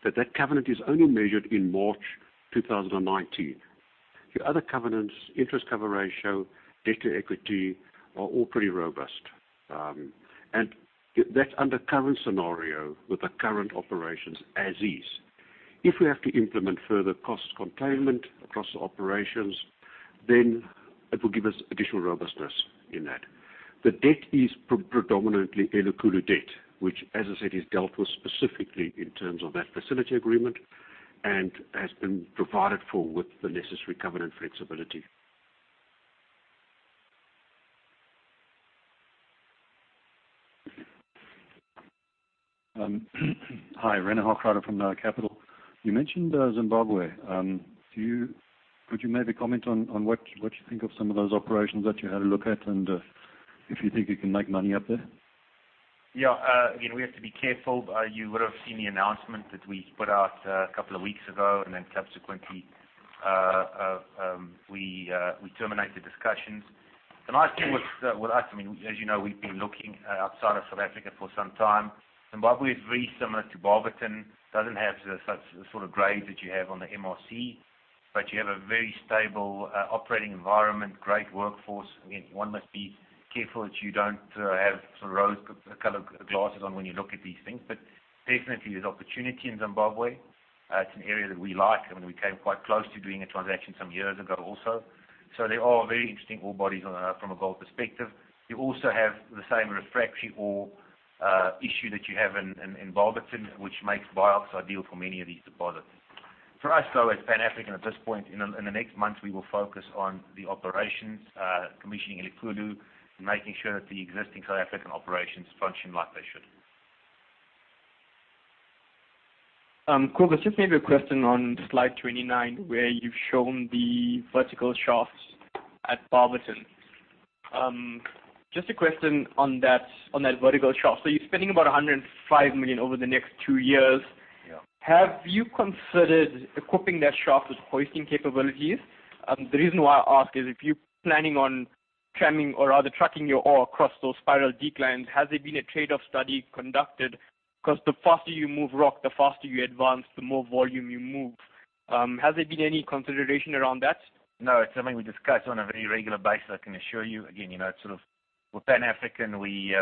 that that covenant is only measured in March 2019. Your other covenants, interest cover ratio, debt to equity, are all pretty robust. That's under current scenario with the current operations as is. If we have to implement further cost containment across the operations, it will give us additional robustness in that. The debt is predominantly Elikhulu debt, which as I said, is dealt with specifically in terms of that facility agreement and has been provided for with the necessary covenant flexibility. Hi, Renè Hofkra from Nara Capital. You mentioned Zimbabwe. Could you maybe comment on what you think of some of those operations that you had a look at, and if you think you can make money up there? Yeah. Again, we have to be careful. You would have seen the announcement that we put out a couple of weeks ago. Subsequently, we terminated discussions. The nice thing with us, as you know, we've been looking outside of South Africa for some time. Zimbabwe is very similar to Barberton. Doesn't have the sort of grades that you have on the MRC, but you have a very stable operating environment, great workforce. Again, one must be careful that you don't have rose-colored glasses on when you look at these things. Definitely there's opportunity in Zimbabwe. It's an area that we like, and we came quite close to doing a transaction some years ago also. They are very interesting ore bodies from a gold perspective. You also have the same refractory ore issue that you have in Barberton, which makes BIOX ideal for many of these deposits. For us, though, at Pan African at this point, in the next month, we will focus on the operations, commissioning Elikhulu, and making sure that the existing South African operations function like they should. Cobus, just maybe a question on slide 29, where you've shown the vertical shafts at Barberton. Just a question on that vertical shaft. You're spending about 105 million over the next two years. Yeah. Have you considered equipping that shaft with hoisting capabilities? The reason why I ask is if you're planning on tramming or rather trucking your ore across those spiral declines, has there been a trade-off study conducted? Because the faster you move rock, the faster you advance, the more volume you move. Has there been any consideration around that? It's something we discuss on a very regular basis, I can assure you. Again, we're Pan African. We're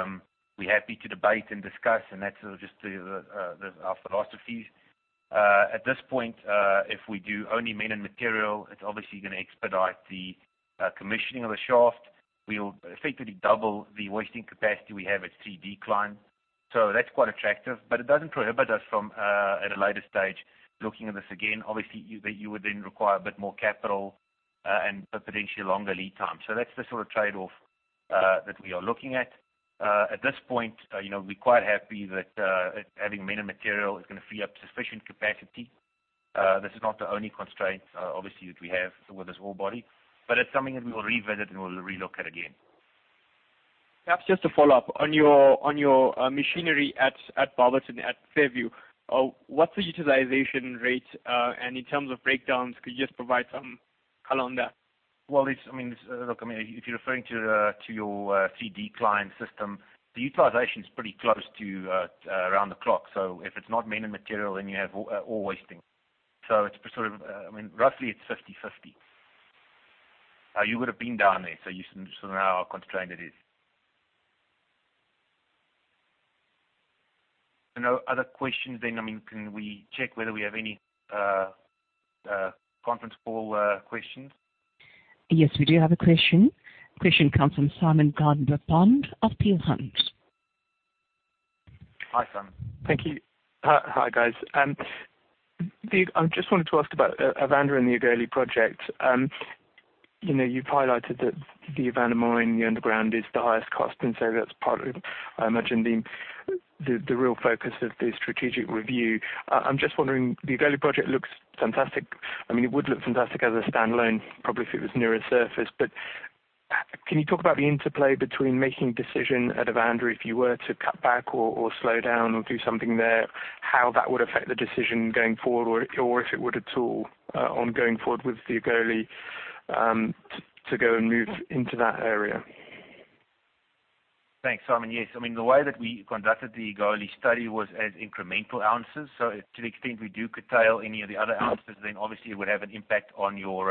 happy to debate and discuss, and that's sort of just our philosophies. At this point, if we do only mine and material, it's obviously going to expedite the commissioning of a shaft. We'll effectively double the Hoisting capacity we have at 3 Decline. That's quite attractive, but it doesn't prohibit us from, at a later stage, looking at this again. Obviously, you would require a bit more capital and potentially a longer lead time. That's the sort of trade-off that we are looking at. At this point, we're quite happy that having mine and material is going to free up sufficient capacity. This is not the only constraint, obviously, that we have with this ore body. It's something that we will revisit and we'll re-look at again. Perhaps just to follow up. On your machinery at Barberton at Fairview, what's the utilization rate? In terms of breakdowns, could you just provide some color on that? Well, look, if you're referring to your 3 Decline system, the utilization is pretty close to around the clock. If it's not man and material, you have ore wasting. Roughly, it's 50/50. You would have been down there, you should know how constrained it is. No other questions? Can we check whether we have any conference call questions? Yes, we do have a question. Question comes from Simon Gardner-Bond of Peel Hunt. Hi, Simon. Thank you. Hi, guys. I just wanted to ask about Evander and the Egoli project. You've highlighted that the Evander mine in the underground is the highest cost, so that's part of, I imagine, the real focus of the strategic review. I'm just wondering, the Egoli project looks fantastic. It would look fantastic as a standalone, probably if it was nearer surface. Can you talk about the interplay between making decision at Evander, if you were to cut back or slow down or do something there, how that would affect the decision going forward, or if it would at all, on going forward with the Egoli to go and move into that area? Thanks, Simon. Yes. The way that we conducted the Egoli study was as incremental ounces. To the extent we do curtail any of the other ounces, it would have an impact on your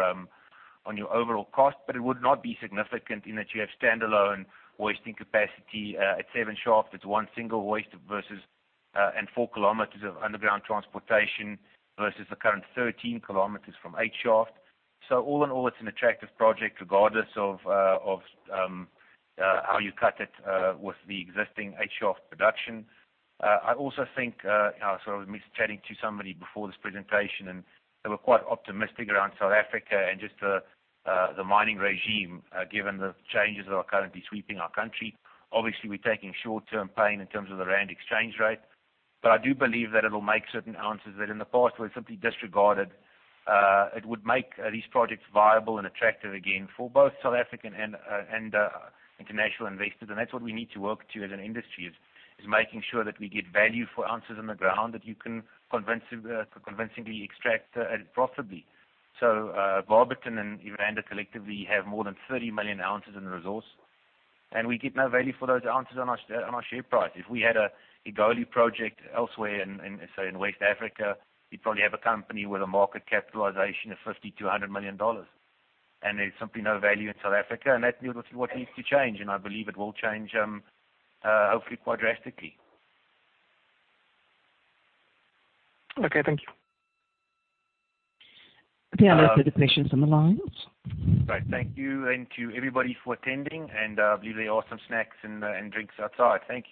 overall cost. It would not be significant in that you have standalone wasting capacity. At 7 Shaft, it's one single waste and four kilometers of underground transportation versus the current 13 kilometers from 8 Shaft. All in all, it's an attractive project regardless of how you cut it with the existing 8 Shaft production. I also think, I was chatting to somebody before this presentation, they were quite optimistic around South Africa and just the mining regime, given the changes that are currently sweeping our country. Obviously, we're taking short-term pain in terms of the ZAR exchange rate. I do believe that it'll make certain ounces that in the past were simply disregarded. It would make these projects viable and attractive again for both South African and international investors. That's what we need to work to as an industry, is making sure that we get value for ounces in the ground that you can convincingly extract it profitably. Barberton and Evander collectively have more than 30 million ounces in the resource, and we get no value for those ounces on our share price. If we had an Egoli project elsewhere, say, in West Africa, we'd probably have a company with a market capitalization of $50 million-$100 million. There's simply no value in South Africa, and that is what needs to change, and I believe it will change, hopefully quite drastically. Okay, thank you. There are no further questions on the line. Great. Thank you. To everybody for attending, and I believe there are some snacks and drinks outside. Thank you